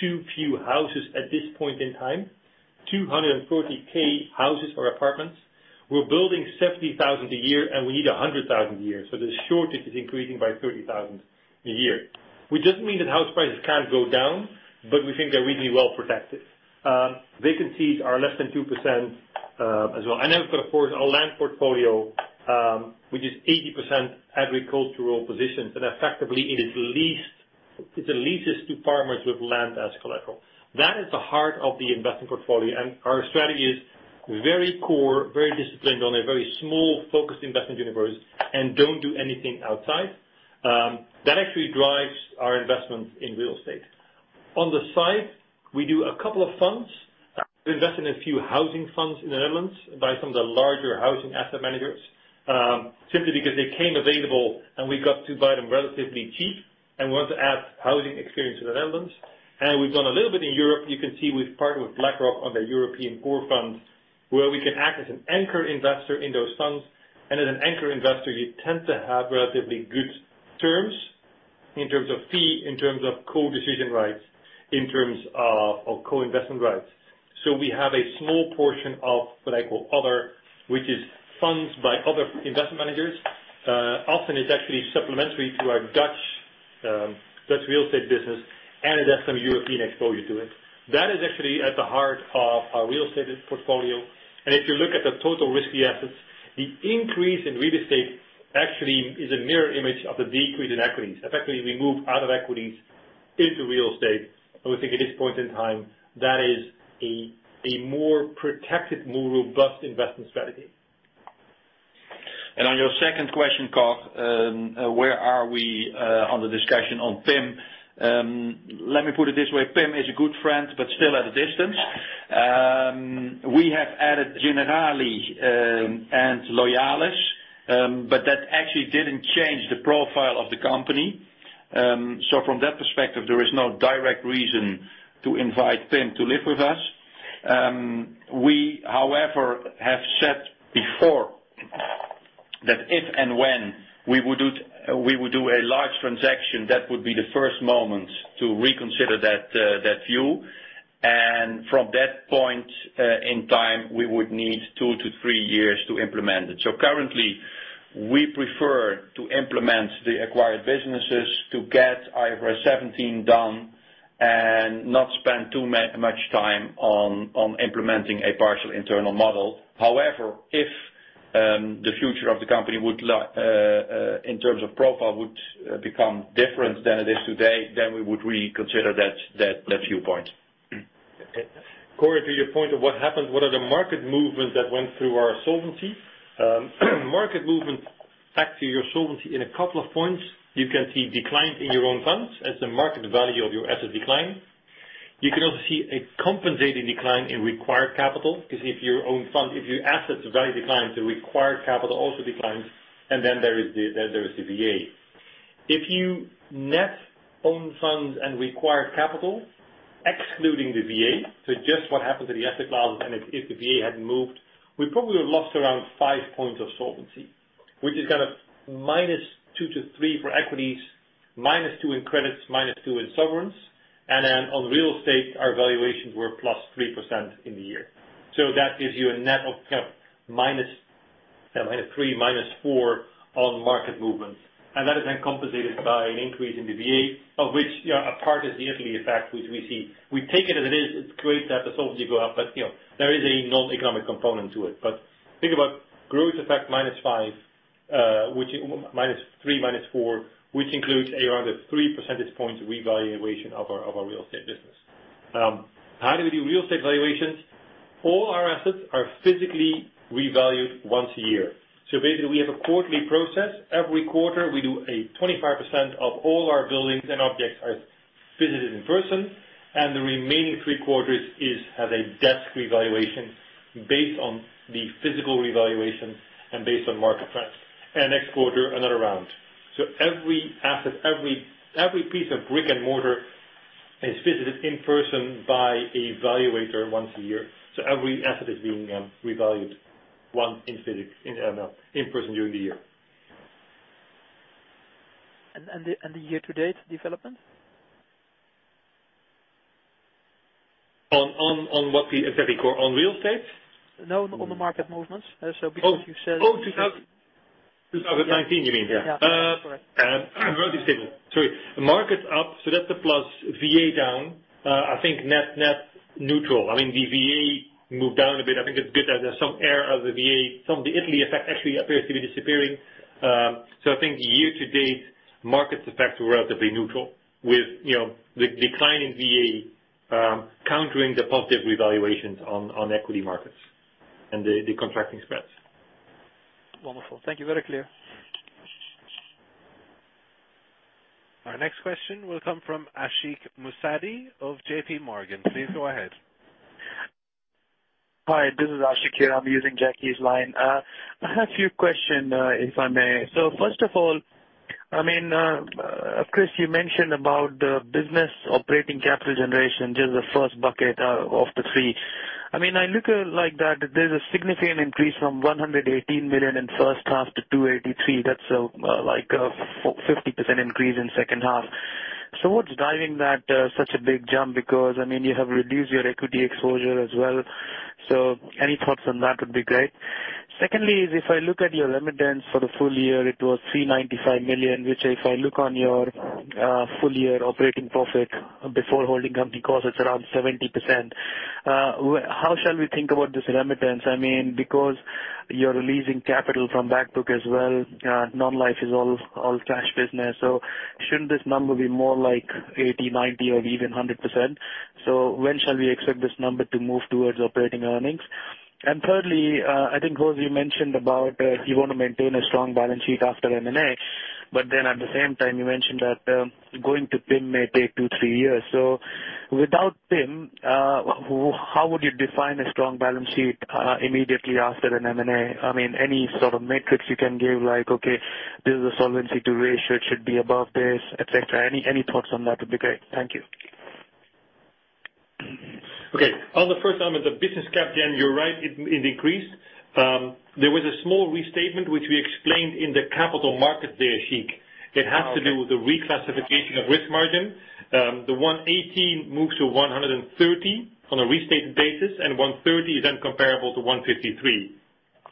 Speaker 4: too few houses at this point in time, 240,000 houses or apartments. We're building 70,000 a year, and we need 100,000 a year. The shortage is increasing by 30,000 a year, which doesn't mean that house prices can't go down, but we think they're really well protected. Vacancies are less than 2% as well. Then we've got, of course, our land portfolio, which is 80% agricultural positions, and effectively it's the leases to farmers with land as collateral. That is the heart of the investment portfolio, and our strategy is very core, very disciplined on a very small focused investment universe, and don't do anything outside. That actually drives our investment in real estate. On the side, we do a couple of funds. We invest in a few housing funds in the Netherlands by some of the larger housing asset managers, simply because they came available, and we got to buy them relatively cheap, and we want to add housing experience in the Netherlands. We've done a little bit in Europe. You can see we've partnered with BlackRock on their European core funds, where we can act as an anchor investor in those funds. As an anchor investor, you tend to have relatively good terms in terms of fee, in terms of co-decision rights, in terms of co-investment rights. We have a small portion of what I call other, which is funds by other investment managers. Often it's actually supplementary to our Dutch real estate business, and it has some European exposure to it. That is actually at the heart of our real estate portfolio. If you look at the total risky assets, the increase in real estate actually is a mirror image of the decrease in equities. Effectively, we move out of equities into real estate. We think at this point in time, that is a more protected, more robust investment strategy.
Speaker 3: On your second question, Cor, where are we on the discussion on PIM? Let me put it this way. PIM is a good friend, but still at a distance. We have added Generali and Loyalis but that actually didn't change the profile of the company. From that perspective, there is no direct reason to invite PIM to live with us. We, however, have said before that if and when we would do a large transaction, that would be the first moment to reconsider that view. From that point in time, we would need two to three years to implement it. Currently, we prefer to implement the acquired businesses to get IFRS 17 done and not spend too much time on implementing a partial internal model. However, if the future of the company in terms of profile would become different than it is today, then we would reconsider that viewpoint.
Speaker 4: Okay. Cor, to your point of what happened, what are the market movements that went through our solvency? Market movement back to your solvency in a couple of points. You can see decline in your own funds as the market value of your assets decline. You can also see a compensating decline in required capital because if your assets value decline, the required capital also declines, and then there is the VA. If you net own funds and required capital, excluding the VA, just what happened to the asset class and if the VA hadn't moved, we probably would've lost around 5 points of solvency, which is minus 2 to 3 for equities, minus 2 in credits, minus 2 in sovereigns. On real estate, our valuations were plus 3% in the year. That gives you a net of minus 3, minus 4 on market movements. That is then compensated by an increase in the VA, of which a part is the Italy effect, which we see. We take it as it is. It's great that the solvency go up, there is a non-economic component to it. Think about growth effect minus 5, minus 3, minus 4, which includes around a 3 percentage points revaluation of our real estate business. How do we do real estate valuations? All our assets are physically revalued once a year. Basically, we have a quarterly process. Every quarter, we do 25% of all our buildings and objects are visited in person, and the remaining three-quarters have a desk revaluation based on the physical revaluation and based on market trends. Next quarter, another round. Every asset, every piece of brick and mortar is visited in person by a valuator once a year. Every asset is being revalued once per annum during the year.
Speaker 6: The year-to-date development?
Speaker 4: On what, the asset class, on real estate?
Speaker 6: No, on the market movements.
Speaker 4: Oh, 2019, you mean? Yeah.
Speaker 6: Yeah. Correct.
Speaker 4: Relatively stable. Sorry. The market's up, so that's a plus. VA down. I think net neutral. I mean, the VA moved down a bit. I think it's good that there's some air of the VA. Some of the Italy effect actually appears to be disappearing. I think the year-to-date market effects were relatively neutral with the decline in VA countering the positive revaluations on equity markets and the contracting spreads.
Speaker 6: Wonderful. Thank you. Very clear.
Speaker 1: Our next question will come from Ashik Musaddi of J.P. Morgan. Please go ahead.
Speaker 7: Hi, this is Ashik here. I'm using Jackie's line. I have a few questions, if I may. First of all, Chris, you mentioned about the business operating capital generation during the first bucket of the three. I look like that there's a significant increase from 118 million in the first half to 283 million. That's like a 50% increase in the second half. What's driving such a big jump? Because you have reduced your equity exposure as well. Any thoughts on that would be great. Secondly is if I look at your remittance for the full year, it was 395 million. Which if I look on your full-year operating profit before holding company costs, it's around 70%. How shall we think about this remittance? Because you're releasing capital from back book as well. Non-life is all cash business. Shouldn't this number be more like 80%, 90%, or even 100%? When shall we expect this number to move towards operating earnings? Thirdly, I think, Jos, you mentioned about you want to maintain a strong balance sheet after M&A. At the same time, you mentioned that going to PIM may take two, three years. Without PIM, how would you define a strong balance sheet immediately after an M&A? Any sort of metrics you can give like, okay, this is a Solvency II ratio, it should be above this, et cetera. Any thoughts on that would be great. Thank you.
Speaker 4: Okay. On the first one, the business cap, you're right, it decreased. There was a small restatement, which we explained in the Capital Markets Day, Ashik.
Speaker 7: Oh, okay.
Speaker 4: It has to do with the reclassification of risk margin. The 118 moves to 130 on a restated basis, 130 is comparable to 153.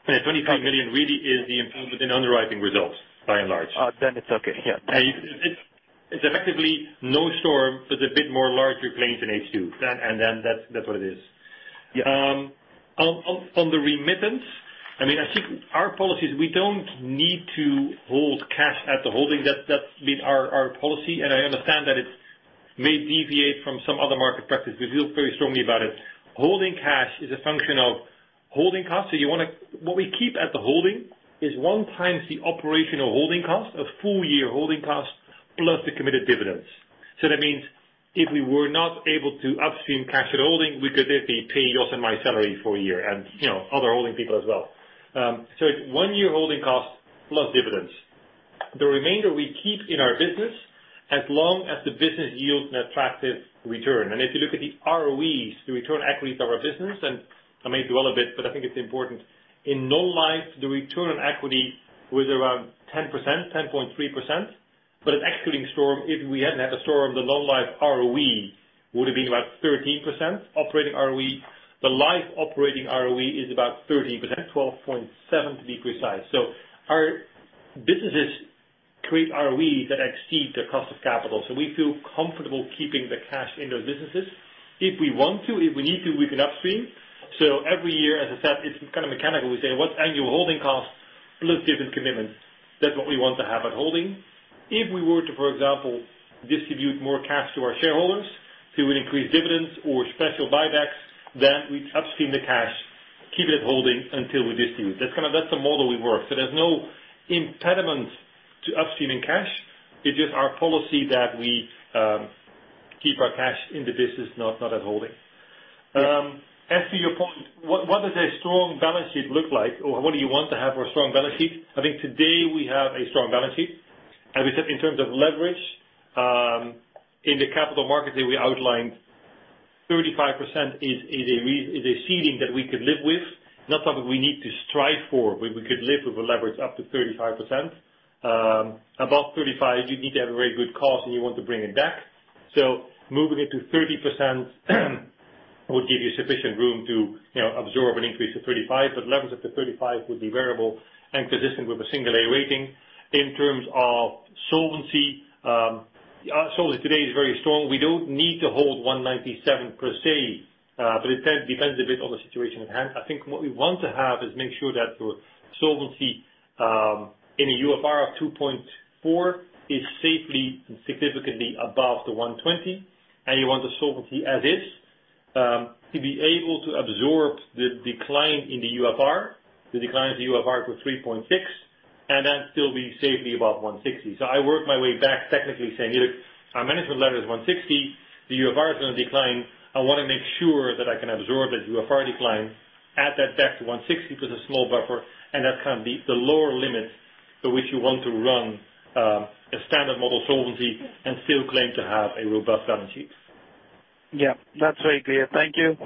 Speaker 4: The 23 million really is the improvement in underwriting results, by and large.
Speaker 7: Oh, it's okay. Yeah.
Speaker 4: It's effectively no storm, it's a bit more larger claims than HQ. That's what it is.
Speaker 7: Yeah.
Speaker 4: On the remittance, Ashik, our policies, we don't need to hold cash at the holding. That's been our policy, I understand that it may deviate from some other market practice. We feel very strongly about it. Holding cash is a function of holding costs. What we keep at the holding is one times the operational holding cost of full-year holding costs plus the committed dividends. That means if we were not able to upstream cash at holding, we could then pay Jos and my salary for a year and other holding people as well. It's one year holding cost plus dividends. The remainder we keep in our business as long as the business yields an attractive return. If you look at the ROEs, the return equities of our business, I may dwell a bit, but I think it's important. In Non-life, the return on equity was around 10%, 10.3%. Excluding storm, if we hadn't had the storm, the Non-life ROE would have been about 13%, operating ROE. The life operating ROE is about 30%, 12.7% to be precise. Our businesses create ROEs that exceed their cost of capital. We feel comfortable keeping the cash in those businesses. If we want to, if we need to, we can upstream. Every year, as I said, it's mechanical. We say what's annual holding cost plus dividend commitments. That's what we want to have at holding. If we were to, for example, distribute more cash to our shareholders, say we increase dividends or special buybacks, we upstream the cash, keep it holding until we distribute. That's the model we work. There's no impediment to upstream in cash. It's just our policy that we keep our cash in the business, not as holding.
Speaker 7: Yeah. As to your point, what does a strong balance sheet look like? What do you want to have for a strong balance sheet? I think today we have a strong balance sheet. As I said, in terms of leverage, in the capital markets that we outlined, 35% is a ceiling that we could live with, not something we need to strive for. We could live with a leverage up to 35%. Above 35%, you need to have a very good cause, and you want to bring it back. Moving it to 30% would give you sufficient room to absorb an increase of 35%. Levels up to 35% would be variable and consistent with a single A rating. In terms of solvency, our solvency today is very strong. We don't need to hold 197% per se. It depends a bit on the situation at hand.
Speaker 4: I think what we want to have is make sure that your solvency in a UFR of 2.4 is safely and significantly above the 120, and you want the solvency as is to be able to absorb the decline in the UFR, the decline in the UFR to 3.6, and then still be safely above 160. I worked my way back technically saying, look, our management level is 160. The UFR is going to decline. I want to make sure that I can absorb that UFR decline, add that back to 160 because a small buffer, and that's going to be the lower limit for which you want to run a standard model solvency and still claim to have a robust balance sheet.
Speaker 7: Yeah, that's very clear. Thank you.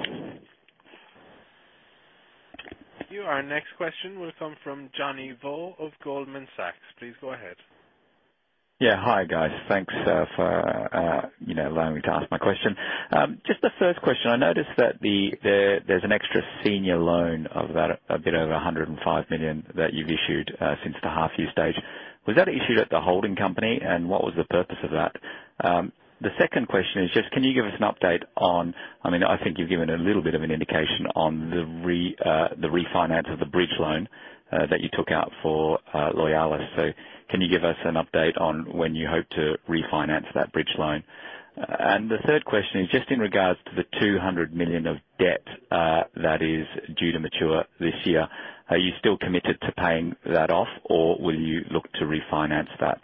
Speaker 1: Our next question will come from Johnny Vo of Goldman Sachs. Please go ahead.
Speaker 8: Yeah. Hi, guys. Thanks for allowing me to ask my question. Just the first question, I noticed that there's an extra senior loan of a bit over 105 million that you've issued since the half-year stage. Was that issued at the holding company, and what was the purpose of that? The second question is just, can you give us an update on I think you've given a little bit of an indication on the refinance of the bridge loan that you took out for Loyalis. Can you give us an update on when you hope to refinance that bridge loan? The third question is just in regards to the 200 million of debt that is due to mature this year. Are you still committed to paying that off, or will you look to refinance that?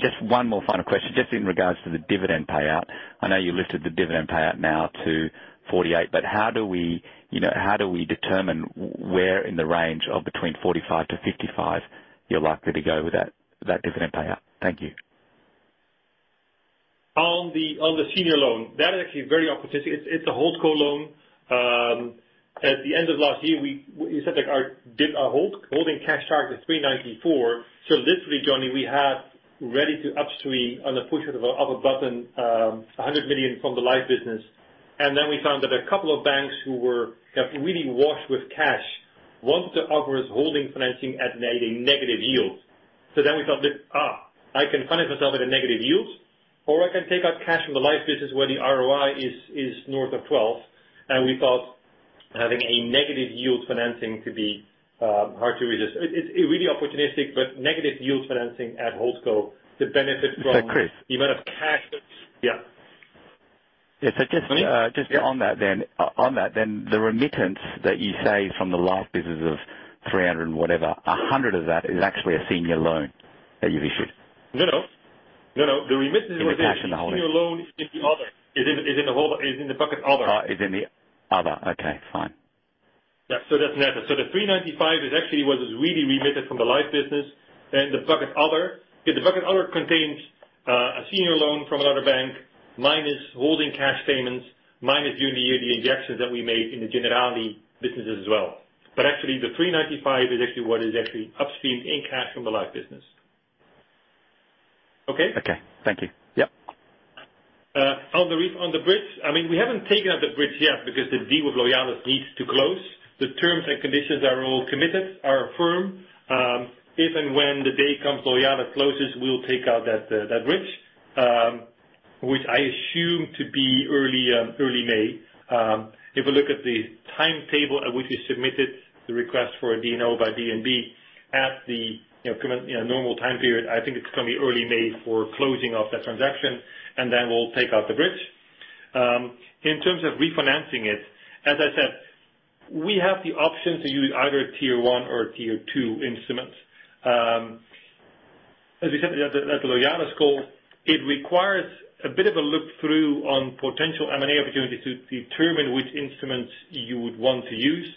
Speaker 8: Just one more final question, just in regards to the dividend payout. I know you lifted the dividend payout now to 48%, how do we determine where in the range of between 45%-55% you are likely to go with that dividend payout? Thank you.
Speaker 4: On the senior loan. That is actually very opportunistic. It is a Holdco loan. At the end of last year, we set our holding cash target to 394. Literally, Johnny, we had ready to upstream on the push of a button, 100 million from the life business. We found that a couple of banks who were really washed with cash wanted to offer us holding financing at a negative yield. We thought, I can finance myself at a negative yield, or I can take out cash from the life business where the ROI is north of 12%, and we thought having a negative yield financing to be hard to resist. It is really opportunistic, but negative yield financing at Holdco to benefit from-
Speaker 8: Chris
Speaker 4: the amount of cash that Yeah.
Speaker 8: Yeah.
Speaker 4: Johnny? Yeah
Speaker 8: on that, the remittance that you say from the life business of 300 and whatever, 100 of that is actually a senior loan that you've issued.
Speaker 4: No. The remittance
Speaker 8: The cash in the Holdco.
Speaker 4: The senior loan is in the other. It's in the bucket other.
Speaker 8: Is in the other. Okay, fine.
Speaker 4: Yeah. That's net. The 395 is actually what is really remitted from the Life business. The bucket other. Yeah, the bucket other contains a senior loan from another bank, minus Holdco cash payments, minus during the year, the injections that we made in the Generali businesses as well. Actually, the 395 is actually what is actually upstreamed in cash from the Life business. Okay?
Speaker 8: Okay. Thank you. Yep.
Speaker 4: On the bridge. We haven't taken out the bridge yet because the deal with Loyalis needs to close. The terms and conditions are all committed, are firm. If and when the day comes Loyalis closes, we'll take out that bridge, which I assume to be early May. If we look at the timetable at which we submitted the request for a DNO by DNB at the normal time period, I think it's going to be early May for closing of that transaction, and then we'll take out the bridge. In terms of refinancing it, as I said, we have the option to use either tier 1 or tier 2 instruments. As we said at the Loyalis call, it requires a bit of a look through on potential M&A opportunities to determine which instruments you would want to use,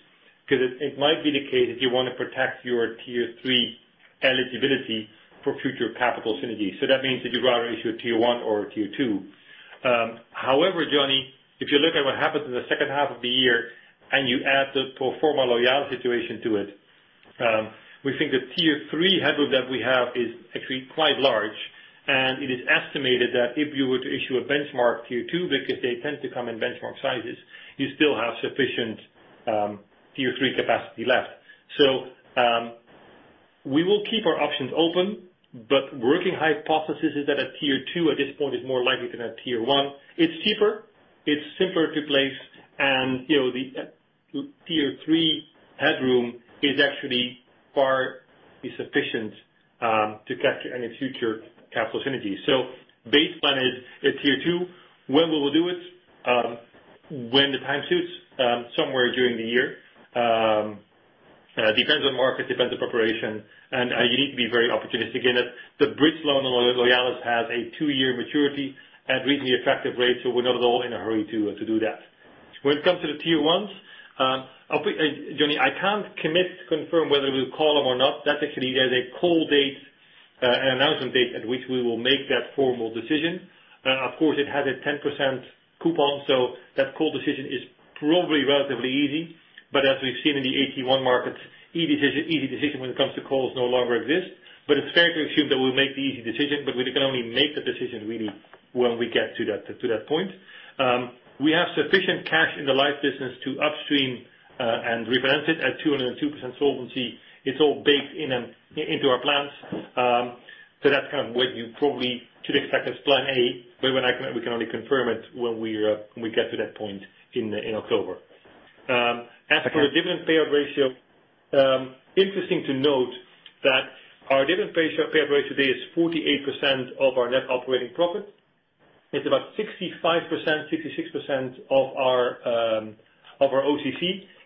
Speaker 4: because it might be the case that you want to protect your tier 3 eligibility for future capital synergies. That means that you'd rather issue a tier 1 or a tier 2. However, Johnny, if you look at what happens in the second half of the year and you add the pro forma Loyalis situation to it, we think the tier 3 headroom that we have is actually quite large, and it is estimated that if you were to issue a benchmark tier 2, because they tend to come in benchmark sizes, you still have sufficient tier 3 capacity left. We will keep our options open, but working hypothesis is that a tier 2 at this point is more likely than a tier 1. It's cheaper, it's simpler to place, and the tier 3 headroom is actually far sufficient to capture any future capital synergies. Baseline is tier 2. When we will do it? When the time suits, somewhere during the year. Depends on market, depends on preparation, and you need to be very opportunistic in it. The bridge loan on Loyalis has a two-year maturity at reasonably effective rates, we're not at all in a hurry to do that. When it comes to the tier 1s, Johnny, I can't commit to confirm whether we'll call them or not. There's a call date, an announcement date at which we will make that formal decision. It has a 10% coupon, so that call decision is probably relatively easy. As we've seen in the AT1 markets, easy decision when it comes to calls no longer exists. It's fair to assume that we'll make the easy decision, but we can only make the decision really when we get to that point. We have sufficient cash in the life business to upstream and refinance it at 202% solvency. It's all baked into our plans. That's what you probably should expect as plan A, but we can only confirm it when we get to that point in October. As for the dividend payout ratio, interesting to note that our dividend payout ratio today is 48% of our net operating profit. It's about 65%, 66% of our OCC.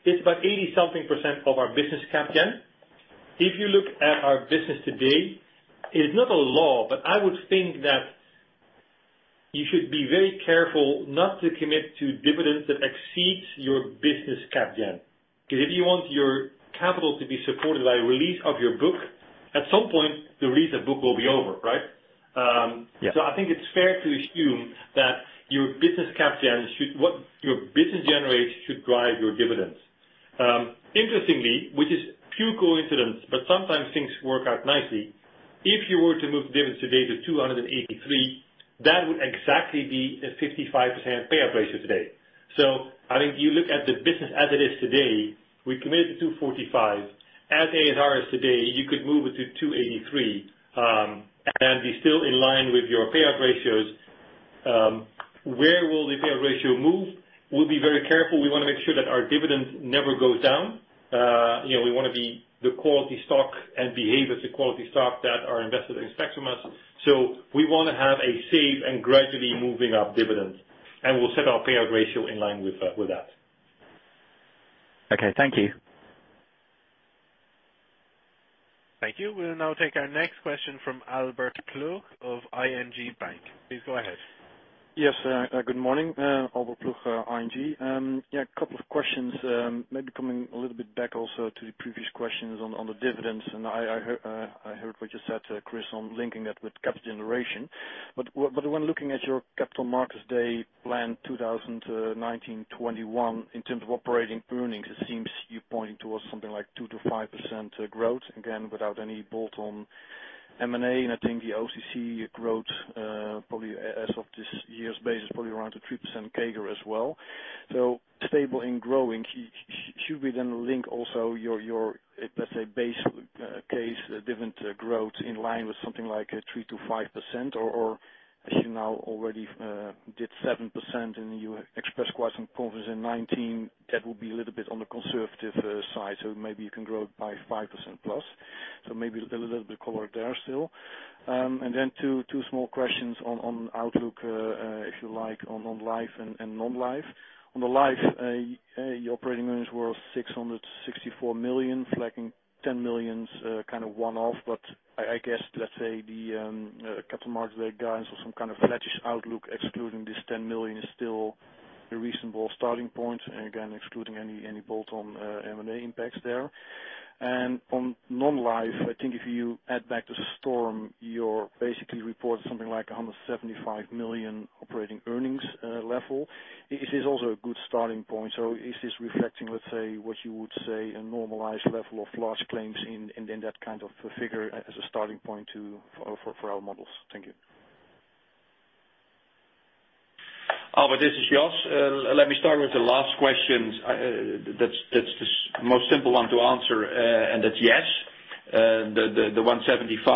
Speaker 4: It's about 80-something percent of our business cap gen. If you look at our business today, it's not a law, but I would think that you should be very careful not to commit to dividends that exceeds your business cap gen. If you want your capital to be supported by release of your book, at some point, the release of book will be over, right?
Speaker 8: Yeah.
Speaker 4: I think it's fair to assume that what your business generates should drive your dividends. Interestingly, which is pure coincidence, but sometimes things work out nicely. If you were to move the dividends today to 283, that would exactly be a 55% payout ratio today. I think if you look at the business as it is today, we committed to 245. As ASR is today, you could move it to 283, and be still in line with your payout ratios. Where will the payout ratio move? We'll be very careful. We want to make sure that our dividend never goes down. We want to be the quality stock and behave as a quality stock that our investors expect from us. We want to have a safe and gradually moving up dividend, and we'll set our payout ratio in line with that.
Speaker 8: Okay. Thank you.
Speaker 1: Thank you. We'll now take our next question from Albert Ploegh of ING Bank. Please go ahead.
Speaker 9: Yes. Good morning. Albert Ploegh, ING. A couple of questions, maybe coming a little bit back also to the previous questions on the dividends. I heard what you said to Chris on linking that with capital generation. When looking at your Capital Markets Day plan 2019, 2021, in terms of operating earnings, it seems you're pointing towards something like 2%-5% growth, again, without any bolt-on M&A. I think the OCC growth, as of this year's base, is probably around a 3% CAGR as well. Stable and growing. Should we then link also your, let's say, base case dividend growth in line with something like 3%-5%? As you now already did 7% and you expressed quite some confidence in 2019, that will be a little bit on the conservative side, maybe you can grow it by 5%+. Maybe a little bit color there still. Then two small questions on outlook, if you like, on Life and Non-life. On the Life, your operating earnings were 664 million, flagging 10 million kind of one-off. I guess, let's say the Capital Markets Day guidance or some kind of flattish outlook excluding this 10 million is still a reasonable starting point, again, excluding any bolt-on M&A impacts there. On Non-life, I think if you add back the storm, you basically report something like 175 million operating earnings level. Is this also a good starting point? Is this reflecting, let's say, what you would say a normalized level of large claims in that kind of figure as a starting point for our models? Thank you.
Speaker 3: Albert, this is Jos. Let me start with the last question. That's the most simple one to answer, that's yes. The 175,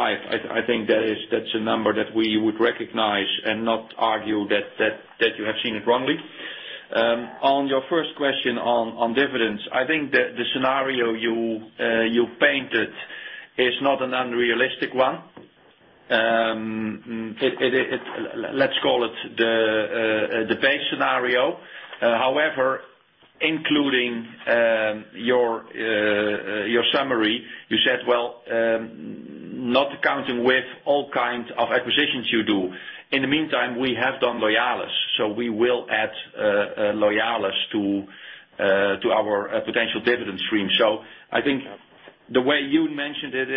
Speaker 3: I think that's a number that we would recognize and not argue that you have seen it wrongly. On your first question on dividends, I think the scenario you painted is not an unrealistic one. Let's call it the base scenario. However, including your summary, you said, well, not accounting with all kinds of acquisitions you do. In the meantime, we have done Loyalis, we will add Loyalis to our potential dividend stream. I think the way you mentioned it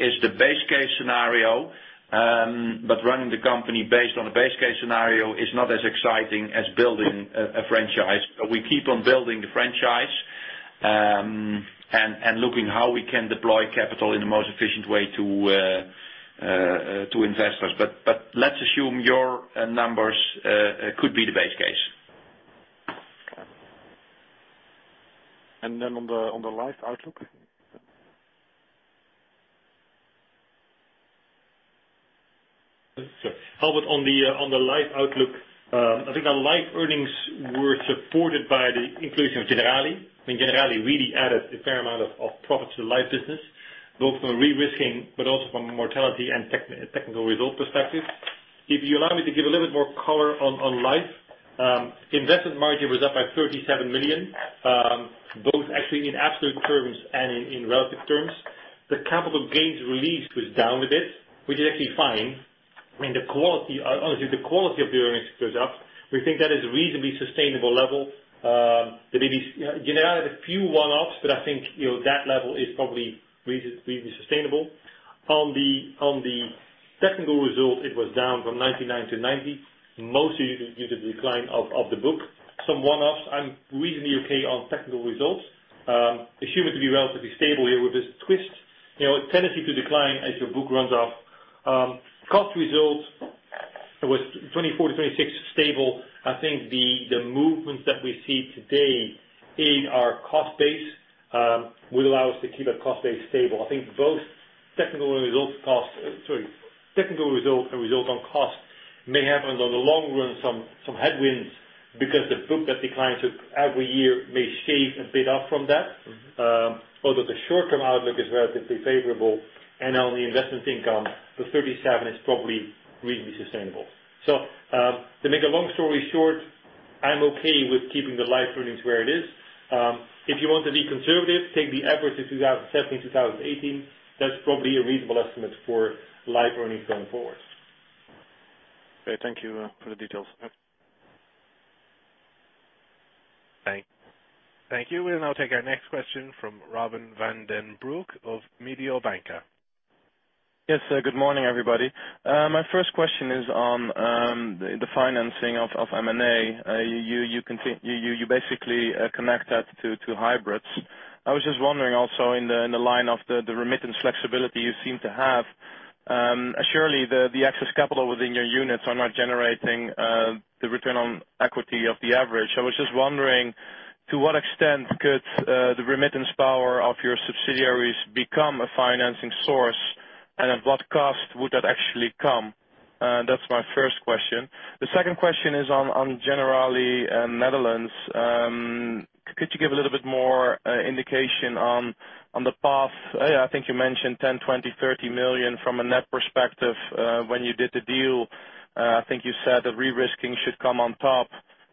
Speaker 3: is the base case scenario, running the company based on a base case scenario is not as exciting as building a franchise. We keep on building the franchise, looking how we can deploy capital in the most efficient way to investors. Let's assume your numbers could be the base case.
Speaker 9: Okay. On the life outlook?
Speaker 4: Albert, on the life outlook, I think our life earnings were supported by the inclusion of Generali. Generali really added a fair amount of profit to the life business, both from a re-risking but also from a mortality and technical result perspective. If you allow me to give a little bit more color on life. Investment margin was up by 37 million, both actually in absolute terms and in relative terms. The capital gains release was down a bit, which is actually fine. Obviously, the quality of the earnings goes up. We think that is a reasonably sustainable level. Generali had a few one-offs, but I think that level is probably reasonably sustainable. On the technical result, it was down from 99 to 90, mostly due to the decline of the book. Some one-offs. I'm reasonably okay on technical results. Assume it to be relatively stable here with this twist. A tendency to decline as your book runs off. Cost result was 24 to 26, stable. I think the movements that we see today in our cost base will allow us to keep our cost base stable. I think both technical results cost, sorry, technical result and result on cost may have, in the long run, some headwinds because the book that the client took every year may shave a bit off from that. Although the short-term outlook is relatively favorable and on the investment income for 37 is probably reasonably sustainable. To make a long story short, I'm okay with keeping the Life earnings where it is. If you want to be conservative, take the average of 2017, 2018. That's probably a reasonable estimate for Life earnings going forward.
Speaker 9: Okay. Thank you for the details.
Speaker 4: Thanks.
Speaker 1: Thank you. We'll now take our next question from Robin van den Broek of Mediobanca.
Speaker 10: Yes, good morning, everybody. My first question is on the financing of M&A. You basically connect that to hybrids. I was just wondering also in the line of the remittance flexibility you seem to have, surely the excess capital within your units are not generating the return on equity of the average. I was just wondering to what extent could the remittance power of your subsidiaries become a financing source, and at what cost would that actually come? That's my first question. The second question is on Generali Nederland. Could you give a little bit more indication on the path? I think you mentioned 10 million, 20 million, 30 million from a net perspective when you did the deal. I think you said that re-risking should come on top.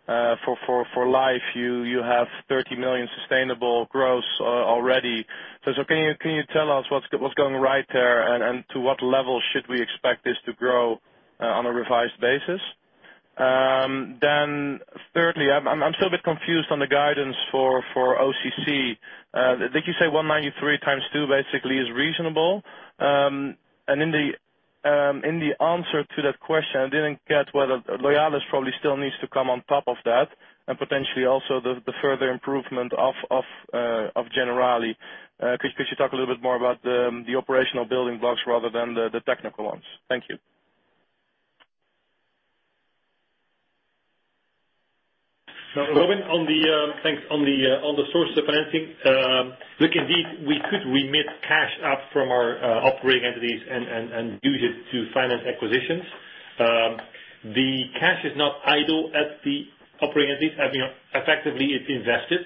Speaker 10: For Life, you have 30 million sustainable growth already. Can you tell us what's going right there and to what level should we expect this to grow on a revised basis? Thirdly, I'm still a bit confused on the guidance for OCC. Did you say 193 times 2 basically is reasonable? In the answer to that question, I didn't get whether Loyalis probably still needs to come on top of that and potentially also the further improvement of Generali. Could you talk a little bit more about the operational building blocks rather than the technical ones? Thank you.
Speaker 4: Robin, thanks. On the source of financing. Indeed, we could remit cash up from our operating entities and use it to finance acquisitions. The cash is not idle at the operating entities. Effectively, it's invested.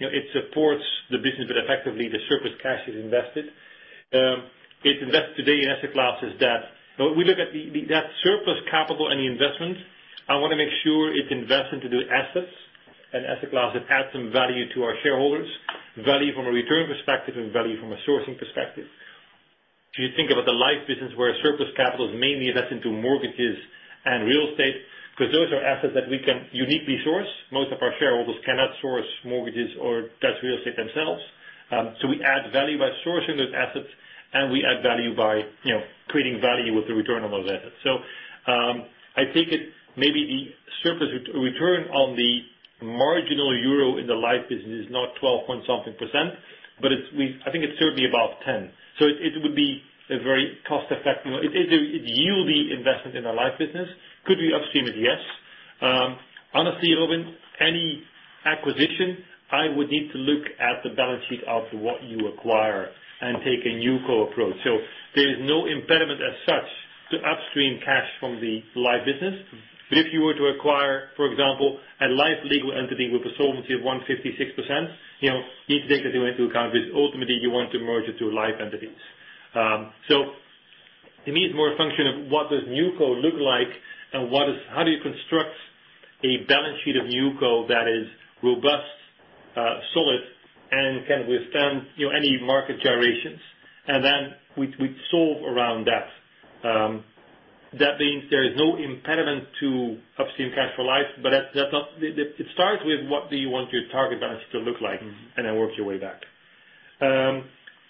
Speaker 4: It supports the business, but effectively the surplus cash is invested. We look at that surplus capital and the investments. I want to make sure it's invested into assets and asset classes that add some value to our shareholders, value from a return perspective and value from a sourcing perspective. If you think about the Life business, where surplus capital is mainly invested into mortgages and real estate, because those are assets that we can uniquely source. Most of our shareholders cannot source mortgages or Dutch real estate themselves. We add value by sourcing those assets, and we add value by creating value with the return on those assets. I take it maybe the surplus return on the marginal EUR in the Life business is not 12 point something %, but I think it's certainly above 10. It's usually investment in the Life business. Could we upstream it? Yes. Honestly, Robin, any acquisition, I would need to look at the balance sheet of what you acquire and take a NewCo approach. There is no impediment as such to upstream cash from the Life business. But if you were to acquire, for example, a Life legal entity with a Solvency of 156%, you need to take into account because ultimately you want to merge it to Life entities. To me, it's more a function of what does NewCo look like and how do you construct a balance sheet of NewCo that is robust, solid, and can withstand any market gyrations. Then we'd solve around that. That means there is no impediment to upstream cash for Life, but it starts with what do you want your target balance sheet to look like. work your way back.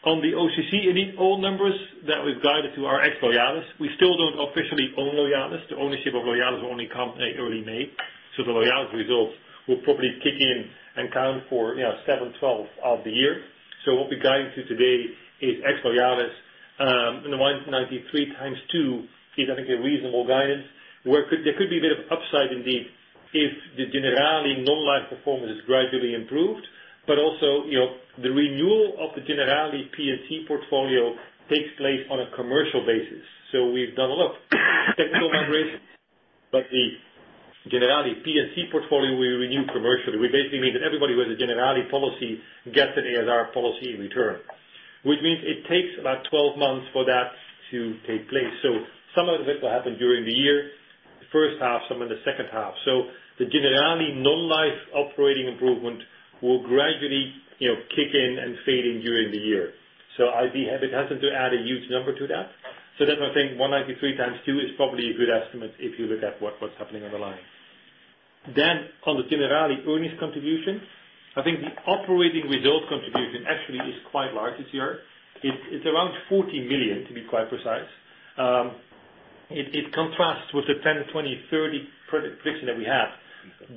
Speaker 4: On the OCC, indeed, all numbers that we've guided to are ex Loyalis. We still don't officially own Loyalis. The ownership of Loyalis will only come early May. The Loyalis results will probably kick in and count for 7/12 of the year. What we're guiding to today is ex Loyalis. The 193 times two is, I think, a reasonable guidance. There could be a bit of upside indeed if the Generali Non-life performance is gradually improved, but also, the renewal of the Generali P&C portfolio takes place on a commercial basis. We've done a lot of technical migrations. The Generali P&C portfolio, we renew commercially, which basically means that everybody who has a Generali policy gets an a.s.r. policy in return. Which means it takes about 12 months for that to take place. Some of it will happen during the year, the first half, some in the second half. The Generali Non-life operating improvement will gradually kick in and fade in during the year. I'd be hesitant to add a huge number to that. Therefore I think 193 times two is probably a good estimate if you look at what's happening on the line. On the Generali earnings contribution, I think the operating result contribution actually is quite large this year. It's around 40 million, to be quite precise. It contrasts with the 10, 20, 30 prediction that we had.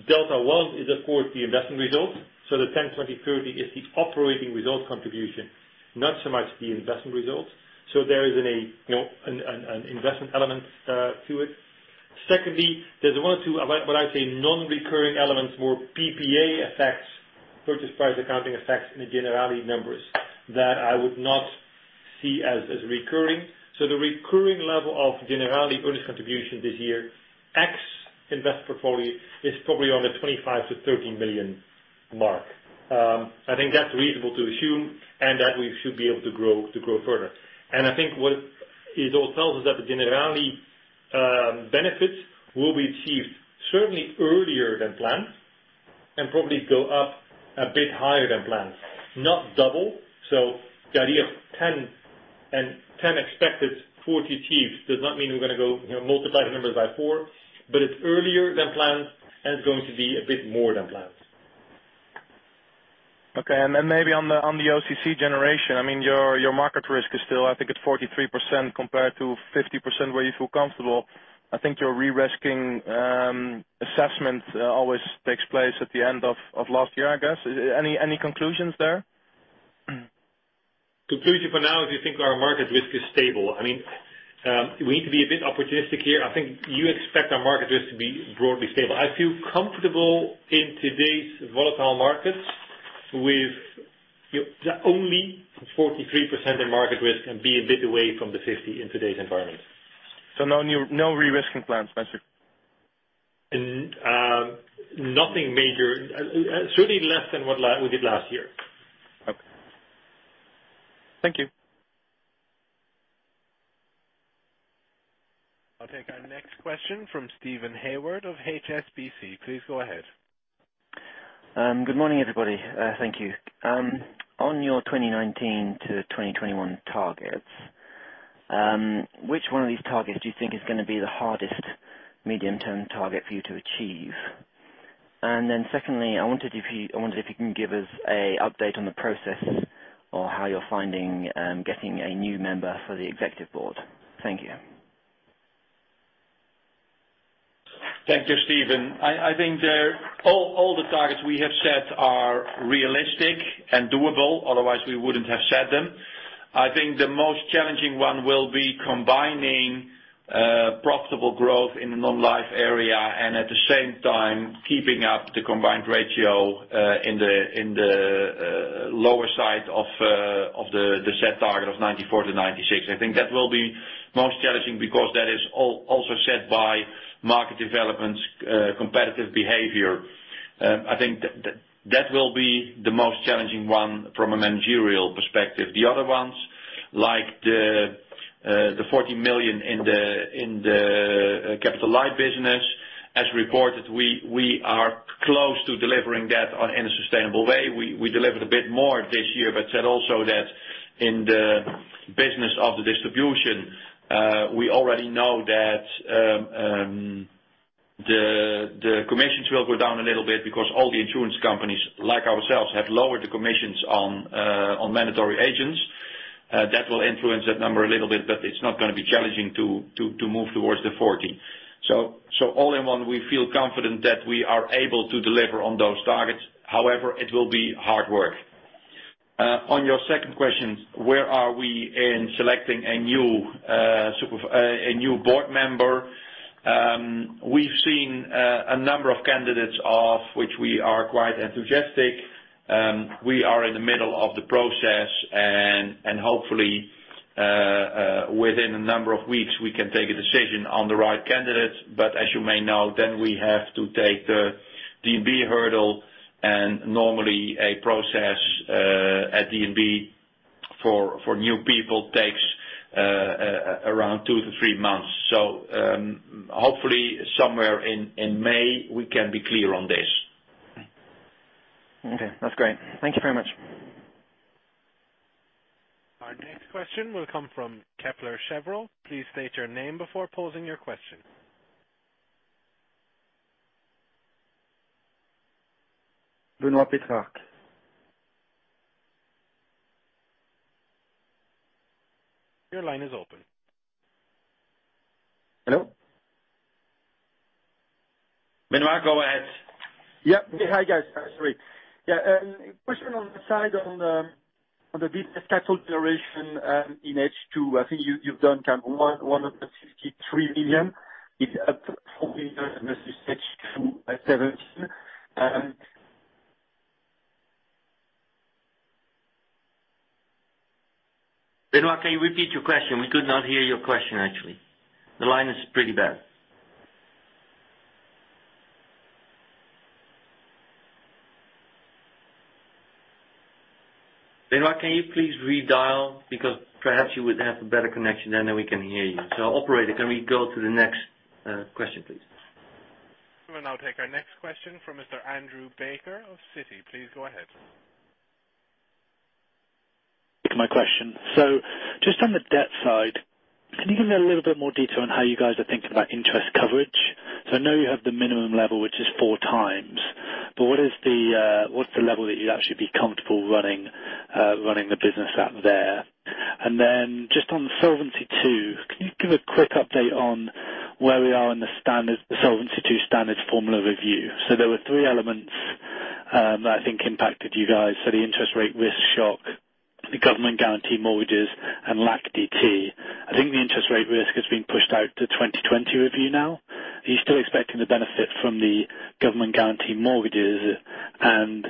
Speaker 4: Delta one is, of course, the investment result. The 10, 20, 30 is the operating result contribution, not so much the investment result. There is an investment element to it. Secondly, there's one or two, what I say, non-recurring elements, more PPA effects, purchase price accounting effects in the Generali numbers that I would not see as recurring. The recurring level of Generali earnings contribution this year, X invest portfolio, is probably on the 25 million-30 million mark. I think that's reasonable to assume, and that we should be able to grow further. I think what it all tells us that the Generali benefits will be achieved certainly earlier than planned, and probably go up a bit higher than planned, not double. The idea of 10 and 10 expected, 40 achieved does not mean we're going to go multiply the numbers by four, but it's earlier than planned, and it's going to be a bit more than planned.
Speaker 10: Okay. Maybe on the OCC generation, I mean, your market risk is still, I think it's 43% compared to 50%, where you feel comfortable. I think your re-risking assessment always takes place at the end of last year, I guess. Any conclusions there?
Speaker 4: Conclusion for now is we think our market risk is stable. We need to be a bit opportunistic here. I think you expect our market risk to be broadly stable. I feel comfortable in today's volatile markets with only 43% in market risk and be a bit away from the 50% in today's environment.
Speaker 10: No re-risking plans, basically.
Speaker 4: Nothing major. Certainly less than what we did last year.
Speaker 10: Okay. Thank you.
Speaker 1: I'll take our next question from Steven Haywood of HSBC. Please go ahead.
Speaker 11: Good morning, everybody. Thank you. On your 2019 to 2021 targets, which one of these targets do you think is going to be the hardest medium-term target for you to achieve? Secondly, I wondered if you can give us a update on the process or how you're finding getting a new member for the Executive Board. Thank you.
Speaker 3: Thank you, Steven. I think all the targets we have set are realistic and doable, otherwise we wouldn't have set them. I think the most challenging one will be combining profitable growth in the Non-life area and at the same time keeping up the combined ratio in the lower side of the set target of 94%-96%. I think that will be most challenging because that is also set by market developments, competitive behavior. I think that will be the most challenging one from a managerial perspective. The other ones, like the 40 million in the Capital Life business, as reported, we are close to delivering that in a sustainable way. We delivered a bit more this year, said also that in the business of the distribution, we already know that the commissions will go down a little bit because all the insurance companies, like ourselves, have lowered the commissions on mandatory agents. That will influence that number a little bit, but it's not going to be challenging to move towards the 40. All in one, we feel confident that we are able to deliver on those targets. However, it will be hard work. On your second question, where are we in selecting a new Board member? We've seen a number of candidates of which we are quite enthusiastic. We are in the middle of the process, hopefully, within a number of weeks, we can take a decision on the right candidate. As you may know, then we have to take the DNB hurdle, and normally a process at DNB for new people takes around two to three months. Hopefully somewhere in May, we can be clear on this.
Speaker 11: Okay. That's great. Thank you very much.
Speaker 1: Our next question will come from Kepler Cheuvreux. Please state your name before posing your question.
Speaker 12: Benoit Pétrarque.
Speaker 1: Your line is open.
Speaker 12: Hello?
Speaker 4: Benoit, go ahead.
Speaker 12: Yeah. Hi, guys. Sorry. Yeah. A question on the side on the business capital generation in H2. I think you've done 163 million. It's up 4 million versus H2 2017.
Speaker 4: Benoit, can you repeat your question? We could not hear your question, actually. The line is pretty bad. Benoit, can you please redial? Because perhaps you would have a better connection, and then we can hear you. Operator, can we go to the next question, please?
Speaker 1: We will now take our next question from Mr. Andrew Baker of Citi. Please go ahead.
Speaker 13: My question. Just on the debt side, can you give me a little bit more detail on how you guys are thinking about interest coverage? I know you have the minimum level, which is four times, but what's the level that you'd actually be comfortable running the business at there? And then just on Solvency II, can you give a quick update on where we are in the Solvency II standard formula review? There were three elements that I think impacted you guys. The interest rate risk shock, the government guaranteed mortgages and LAC DT. I think the interest rate risk is being pushed out to 2020 review now. Are you still expecting the benefit from the government guaranteed mortgages? And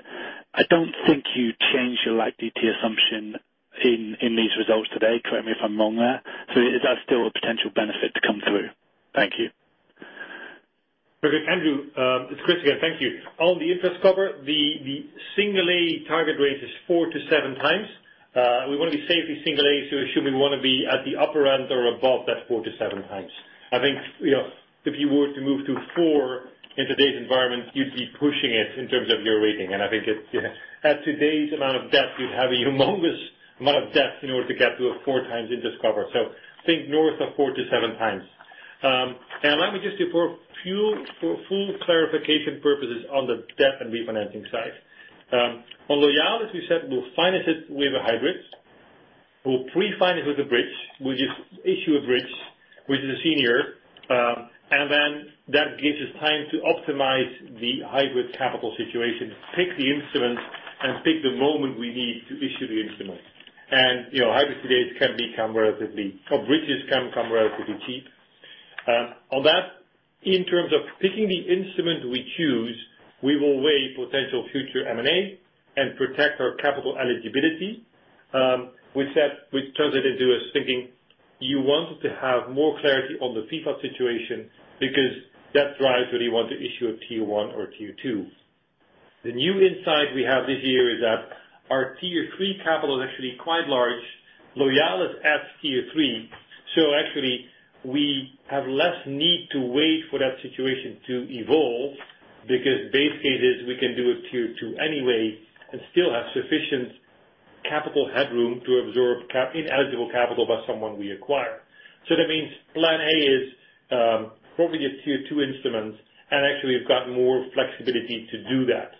Speaker 13: I don't think you changed your LAC DT assumption in these results today, correct me if I'm wrong there. Is that still a potential benefit to come through? Thank you.
Speaker 4: Perfect, Andrew. It's Chris again. Thank you. On the interest cover, the single A target rate is four to seven times. We want to be safely single A, assuming we want to be at the upper end or above that four to seven times. I think, if you were to move to four in today's environment, you'd be pushing it in terms of your rating. I think at today's amount of debt, you'd have a humongous amount of debt in order to get to a four times interest cover. Think north of four to seven times. Let me just, for full clarification purposes on the debt and refinancing side. On Loyalis, we'll finance it with a hybrid. We'll pre-finance with a bridge. We'll just issue a bridge, which is a senior. That gives us time to optimize the hybrid capital situation, pick the instruments, and pick the moment we need to issue the instruments. Hybrids today can become relatively cheap. In terms of picking the instrument we choose, we will weigh potential future M&A and protect our capital eligibility. With that, which turns it into us thinking you wanted to have more clarity on the FLAOR situation because that drives whether you want to issue a Tier 1 or Tier 2. The new insight we have this year is that our Tier 3 capital is actually quite large. Loyalis as Tier 3. Actually, we have less need to wait for that situation to evolve, because base case is we can do a Tier 2 anyway and still have sufficient capital headroom to absorb ineligible capital by someone we acquire. That means plan A is probably the Tier 2 instruments, actually we've got more flexibility to do that.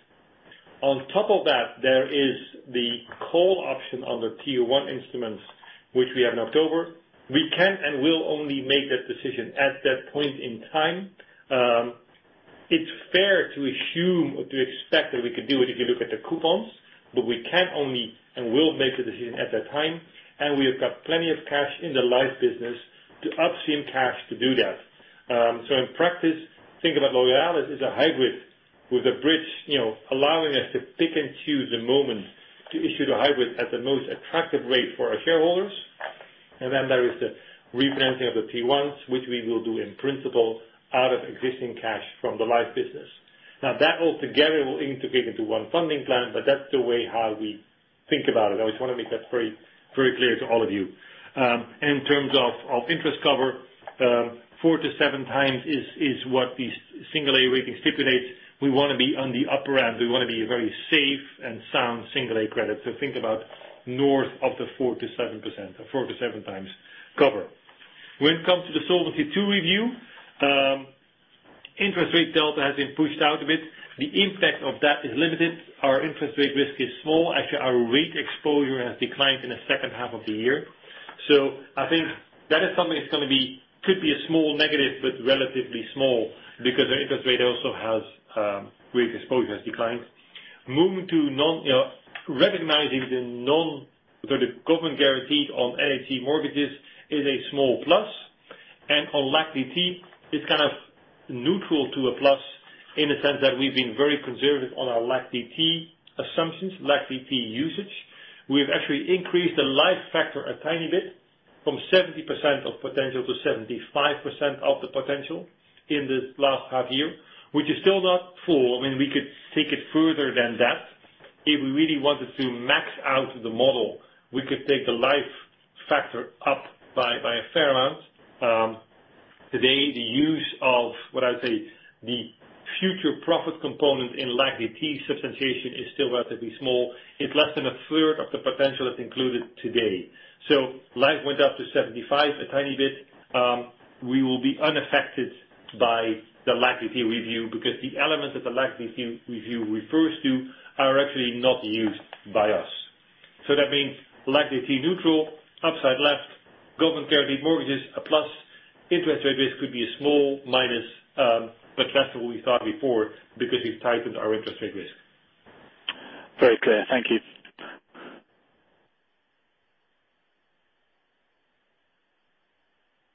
Speaker 4: On top of that, there is the call option on the Tier 1 instruments, which we have in October. We can and will only make that decision at that point in time. It's fair to assume or to expect that we could do it if you look at the coupons, we can only and will make a decision at that time, and we have got plenty of cash in the life business to upstream cash to do that. In practice, think about Loyalis as a hybrid with a bridge, allowing us to pick and choose the moment to issue the hybrid at the most attractive rate for our shareholders. There is the refinancing of the Tier 1s, which we will do in principle out of existing cash from the live business. That all together will integrate into one funding plan, but that's the way how we think about it. I just want to make that very clear to all of you. In terms of interest cover, four to seven times is what the single A rating stipulates. We want to be on the upper end. We want to be a very safe and sound single A credit. Think about north of the four to seven times cover. When it comes to the Solvency II review, interest rate delta has been pushed out a bit. The impact of that is limited. Our interest rate risk is small. Actually, our rate exposure has declined in the second half of the year. I think that is something that could be a small negative, but relatively small because our rate exposure has declined. Recognizing the non-sort of government guaranteed on NHG mortgages is a small plus, and on LAC DT, it's kind of neutral to a plus in the sense that we've been very conservative on our LAC DT assumptions, LAC DT usage. We've actually increased the life factor a tiny bit from 70% of potential to 75% of the potential in this last half year. Which is still not full, we could take it further than that. If we really wanted to max out the model, we could take the life factor up by a fair amount. Today, the use of what I would say the future profit component in LAC DT substantiation is still relatively small. It's less than a third of the potential that's included today. Life went up to 75 a tiny bit. We will be unaffected by the LAC DT review because the elements that the LAC DT review refers to are actually not used by us. That means LAC DT neutral, upside left, government guaranteed mortgages a plus, interest rate risk could be a small minus, but less than we thought before because we've tightened our interest rate risk.
Speaker 13: Very clear. Thank you.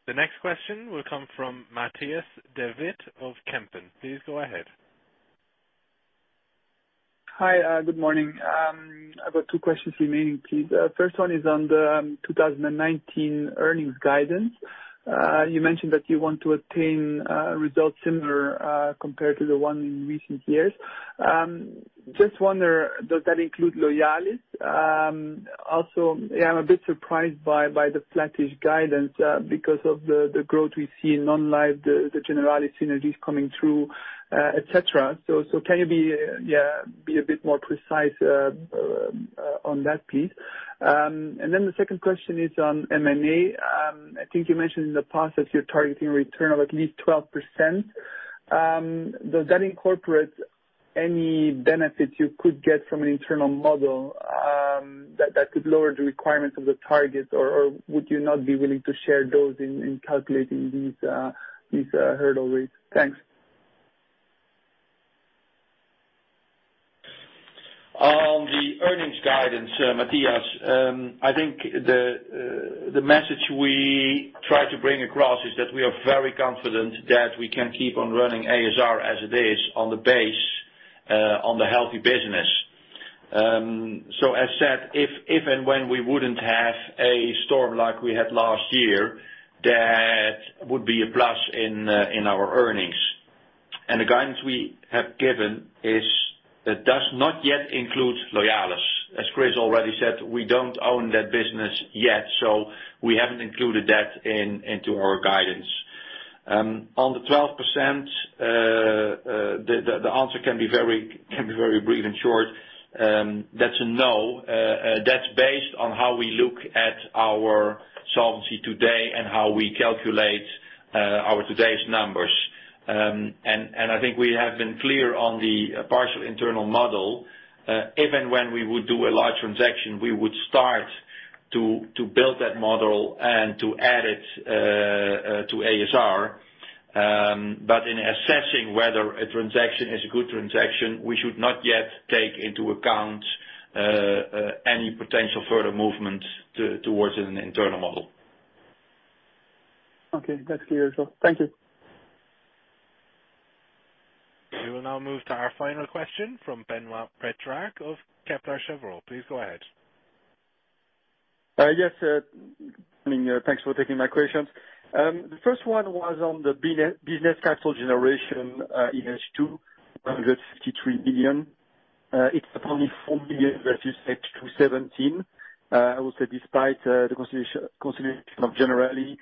Speaker 1: The next question will come from Matthias De Witt of Kempen. Please go ahead.
Speaker 14: Hi. Good morning. I've got two questions remaining, please. First one is on the 2019 earnings guidance. You mentioned that you want to attain results similar, compared to the one in recent years. Just wonder, does that include Loyalis? I'm a bit surprised by the flattish guidance, because of the growth we see in Non-life, the Generali synergies coming through, et cetera. Can you be a bit more precise on that, please? The second question is on M&A. I think you mentioned in the past that you're targeting a return of at least 12%. Does that incorporate any benefits you could get from an internal model, that could lower the requirements of the targets? Or would you not be willing to share those in calculating these hurdle rates? Thanks.
Speaker 3: Matthias, I think the message we try to bring across is that we are very confident that we can keep on running ASR as it is on the base, on the healthy business. As said, if and when we wouldn't have a storm like we had last year, that would be a plus in our earnings. The guidance we have given, it does not yet include Loyalis. As Chris already said, we don't own that business yet, we haven't included that into our guidance. On the 12%, the answer can be very brief and short. That's a no. That's based on how we look at our solvency today and how we calculate our today's numbers. I think we have been clear on the partial internal model. If and when we would do a large transaction, we would start to build that model and to add it to ASR. In assessing whether a transaction is a good transaction, we should not yet take into account any potential further movements towards an internal model.
Speaker 14: Okay. That's clear. Thank you.
Speaker 1: We will now move to our final question from Benoit Pétrarque of Kepler Cheuvreux. Please go ahead.
Speaker 12: Yes. Thanks for taking my questions. The first one was on the business capital generation in H2, 153 billion. It is up only 4 billion versus H2 2017. I would say despite the consolidation of Generali,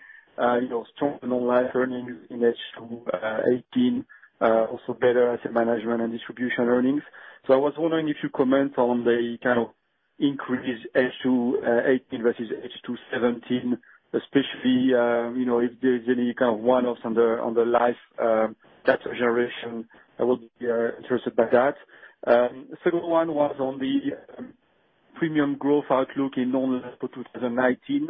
Speaker 12: strong non-life earnings in H2 2018, also better asset management and distribution earnings. I was wondering if you comment on the kind of increase H2 2018 versus H2 2017, especially if there is any kind of one-offs on the life capital generation. I would be interested by that. Second one was on the premium growth outlook in non-life for 2019.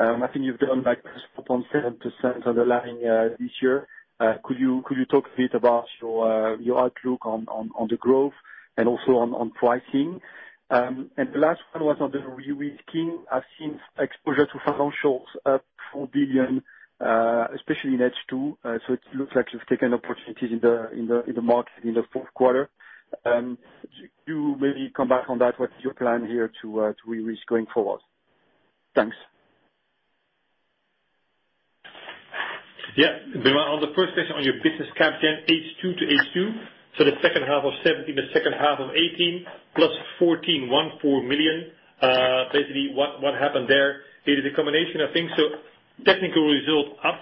Speaker 12: I think you have grown like 7% underlying this year. Could you talk a bit about your outlook on the growth and also on pricing? The last one was on the re-risking. I have seen exposure to financials up 4 billion, especially in H2, so it looks like you have taken opportunities in the market in the fourth quarter. Could you maybe come back on that? What is your plan here to re-risk going forward? Thanks.
Speaker 4: Yeah. Benoit, on the first question on your business capital generation H2 to H2, the second half of 2017, the second half of 2018, plus 14.14 million. Basically what happened there, it is a combination of things. Technical result up.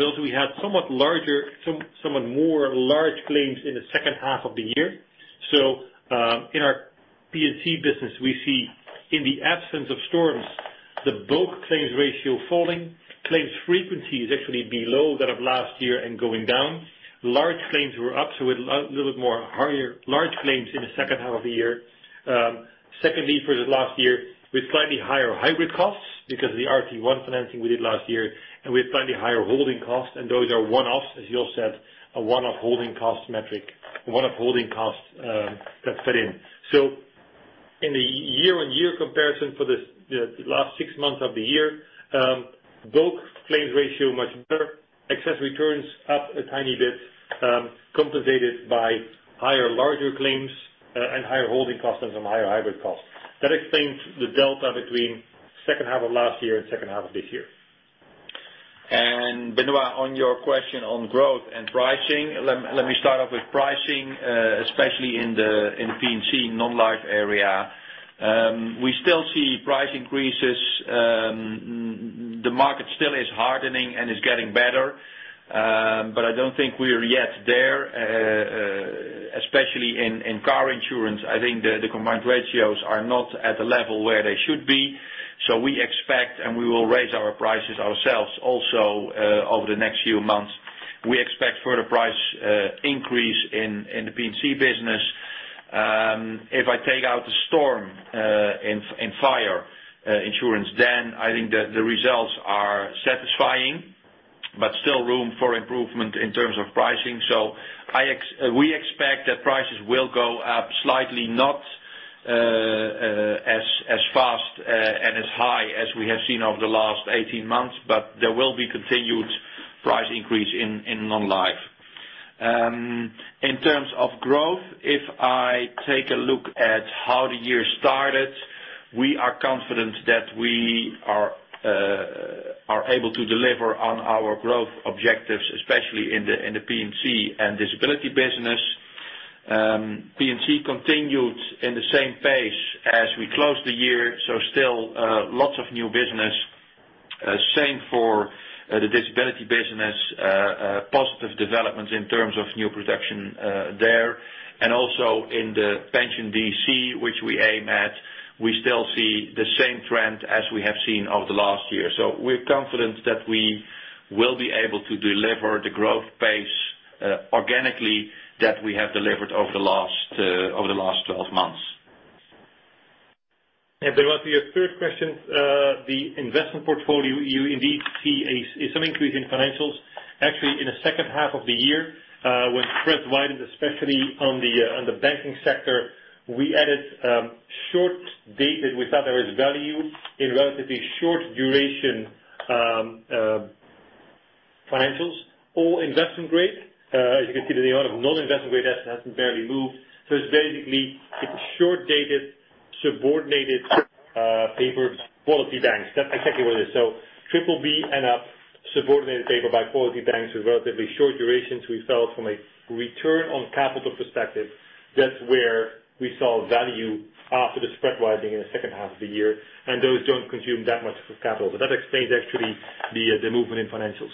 Speaker 4: Also we had somewhat more large claims in the second half of the year. In our P&C business, we see in the absence of storms, the book claims ratio falling. Claims frequency is actually below that of last year and going down. Large claims were up, so a little bit more higher large claims in the second half of the year. Secondly, for the last year, with slightly higher hybrid costs because of the RT1 financing we did last year, and with slightly higher holding costs, and those are one-offs, as Jos said, a one-off holding cost metric, a one-off holding cost that fed in. In the year-on-year comparison for the last six months of the year, book claims ratio much better. Excess returns up a tiny bit, compensated by higher larger claims, and higher holding costs and some higher hybrid costs. That explains the delta between second half of last year and second half of this year.
Speaker 3: Benoit, on your question on growth and pricing, let me start off with pricing, especially in the P&C Non-life area. We still see price increases. The market still is hardening and is getting better. I don't think we are yet there, especially in car insurance. I think the combined ratios are not at the level where they should be. We expect, and we will raise our prices ourselves also, over the next few months. We expect further price increase in the P&C business. If I take out the storm and fire insurance, I think the results are satisfying, but still room for improvement in terms of pricing. We expect that prices will go up slightly, not as fast and as high as we have seen over the last 18 months, but there will be continued price increase in Non-life. In terms of growth, if I take a look at how the year started, we are confident that we are able to deliver on our growth objectives, especially in the P&C and disability business. P&C continued in the same pace as we closed the year, still lots of new business. Same for the disability business. Positive developments in terms of new production there. Also in the pension DC, which we aim at, we still see the same trend as we have seen over the last year. We are confident that we will be able to deliver the growth pace organically that we have delivered over the last 12 months.
Speaker 4: Onto your third question, the investment portfolio, you indeed see some increase in financials. Actually, in the second half of the year, when spread widened, especially on the banking sector, we added short-dated. We thought there was value in relatively short duration financials or investment grade. As you can see the amount of non-investment grade assets hasn't barely moved. It's basically short-dated, subordinated paper quality banks. That's exactly what it is. Triple B and up subordinated paper by quality banks with relatively short durations. We felt from a return on capital perspective, that's where we saw value after the spread widening in the second half of the year, and those don't consume that much capital. That explains actually the movement in financials.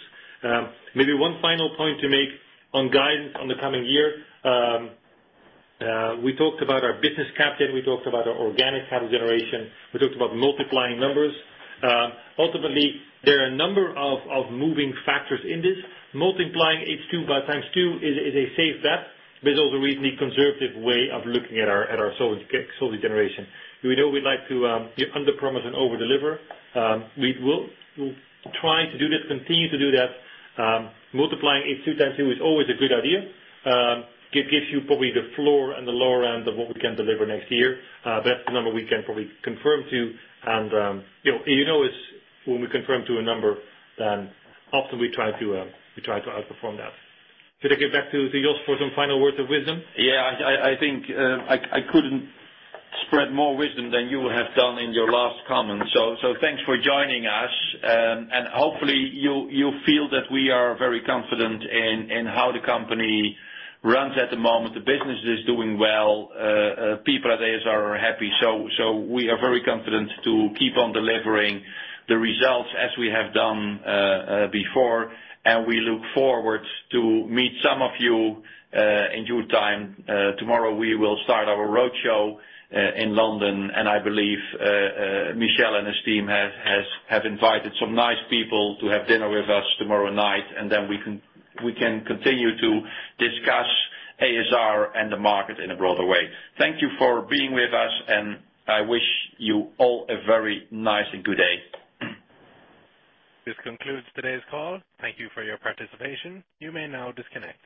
Speaker 4: Maybe one final point to make on guidance on the coming year. We talked about our business capital. We talked about our organic capital generation. We talked about multiplying numbers. Ultimately, there are a number of moving factors in this. Multiplying H2 by times two is a safe bet, but it's also a reasonably conservative way of looking at our solid generation. We know we like to under promise and over deliver. We will try to do this, continue to do that. Multiplying H2 times two is always a good idea. Gives you probably the floor and the lower end of what we can deliver next year. That's the number we can probably confirm to. You know us, when we confirm to a number, often we try to outperform that. Should I get back to Jos for some final words of wisdom?
Speaker 3: Yeah. I think I couldn't spread more wisdom than you have done in your last comment. Thanks for joining us, and hopefully you feel that we are very confident in how the company runs at the moment. The business is doing well. People at ASR are happy. We are very confident to keep on delivering the results as we have done before, and we look forward to meet some of you in due time. Tomorrow we will start our roadshow in London, and I believe Michel and his team have invited some nice people to have dinner with us tomorrow night, and then we can continue to discuss ASR and the market in a broader way. Thank you for being with us, and I wish you all a very nice and good day.
Speaker 1: This concludes today's call. Thank you for your participation. You may now disconnect.